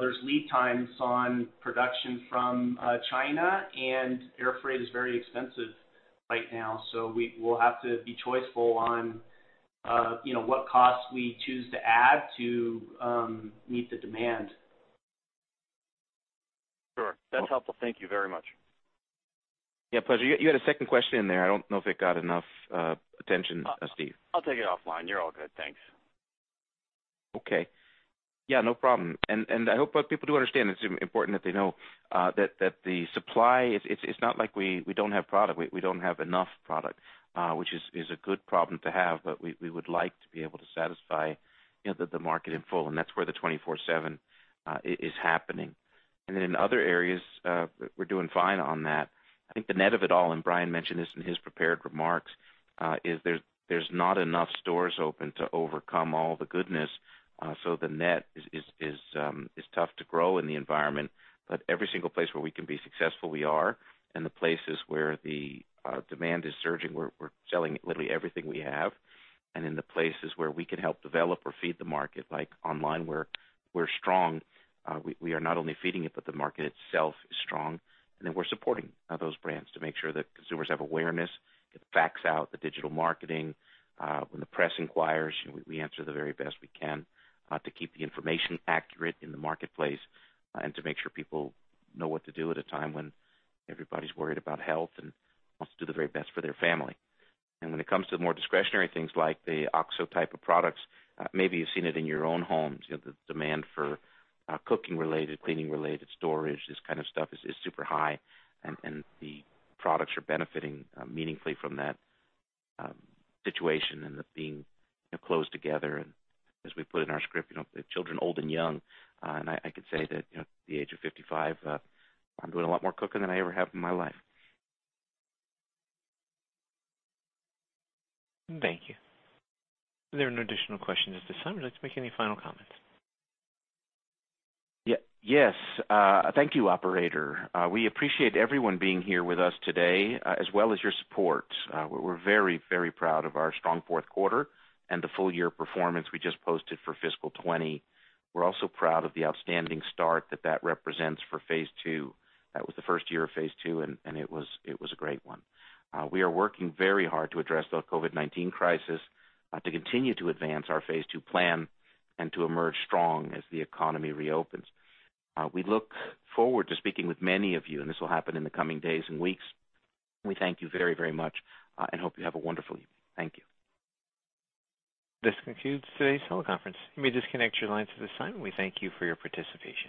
There's lead times on production from China, and air freight is very expensive right now, so we'll have to be choiceful on what costs we choose to add to meet the demand. Sure. That's helpful. Thank you very much. Yeah, pleasure. You had a second question in there. I don't know if it got enough attention, Steve. I'll take it offline. You're all good. Thanks. Okay. Yeah, no problem. I hope people do understand, it's important that they know that the supply, it's not like we don't have product. We don't have enough product, which is a good problem to have. We would like to be able to satisfy the market in full, and that's where the 24/7 is happening. In other areas, we're doing fine on that. I think the net of it all, and Brian mentioned this in his prepared remarks, is there's not enough stores open to overcome all the goodness. The net is tough to grow in the environment. Every single place where we can be successful, we are. The places where the demand is surging, we're selling literally everything we have. In the places where we can help develop or feed the market, like online, where we're strong, we are not only feeding it, but the market itself is strong. We're supporting those brands to make sure that consumers have awareness. Get the facts out, the digital marketing. When the press inquires, we answer the very best we can to keep the information accurate in the marketplace and to make sure people know what to do at a time when everybody's worried about health and wants to do the very best for their family. When it comes to more discretionary things like the OXO type of products, maybe you've seen it in your own homes, the demand for cooking-related, cleaning-related storage, this kind of stuff, is super high. The products are benefiting meaningfully from that situation and being closed together. As we put in our script, the children, old and young, and I could say that at the age of 55, I'm doing a lot more cooking than I ever have in my life. Thank you. There are no additional questions at this time. Would you like to make any final comments? Yes. Thank you, operator. We appreciate everyone being here with us today, as well as your support. We're very proud of our strong fourth quarter and the full year performance we just posted for fiscal 2020. We're also proud of the outstanding start that represents for Phase II. That was the first year of Phase II, it was a great one. We are working very hard to address the COVID-19 crisis, to continue to advance our Phase II plan, to emerge strong as the economy reopens. We look forward to speaking with many of you, this will happen in the coming days and weeks. We thank you very much, hope you have a wonderful evening. Thank you. This concludes today's teleconference. You may disconnect your lines at this time. We thank you for your participation.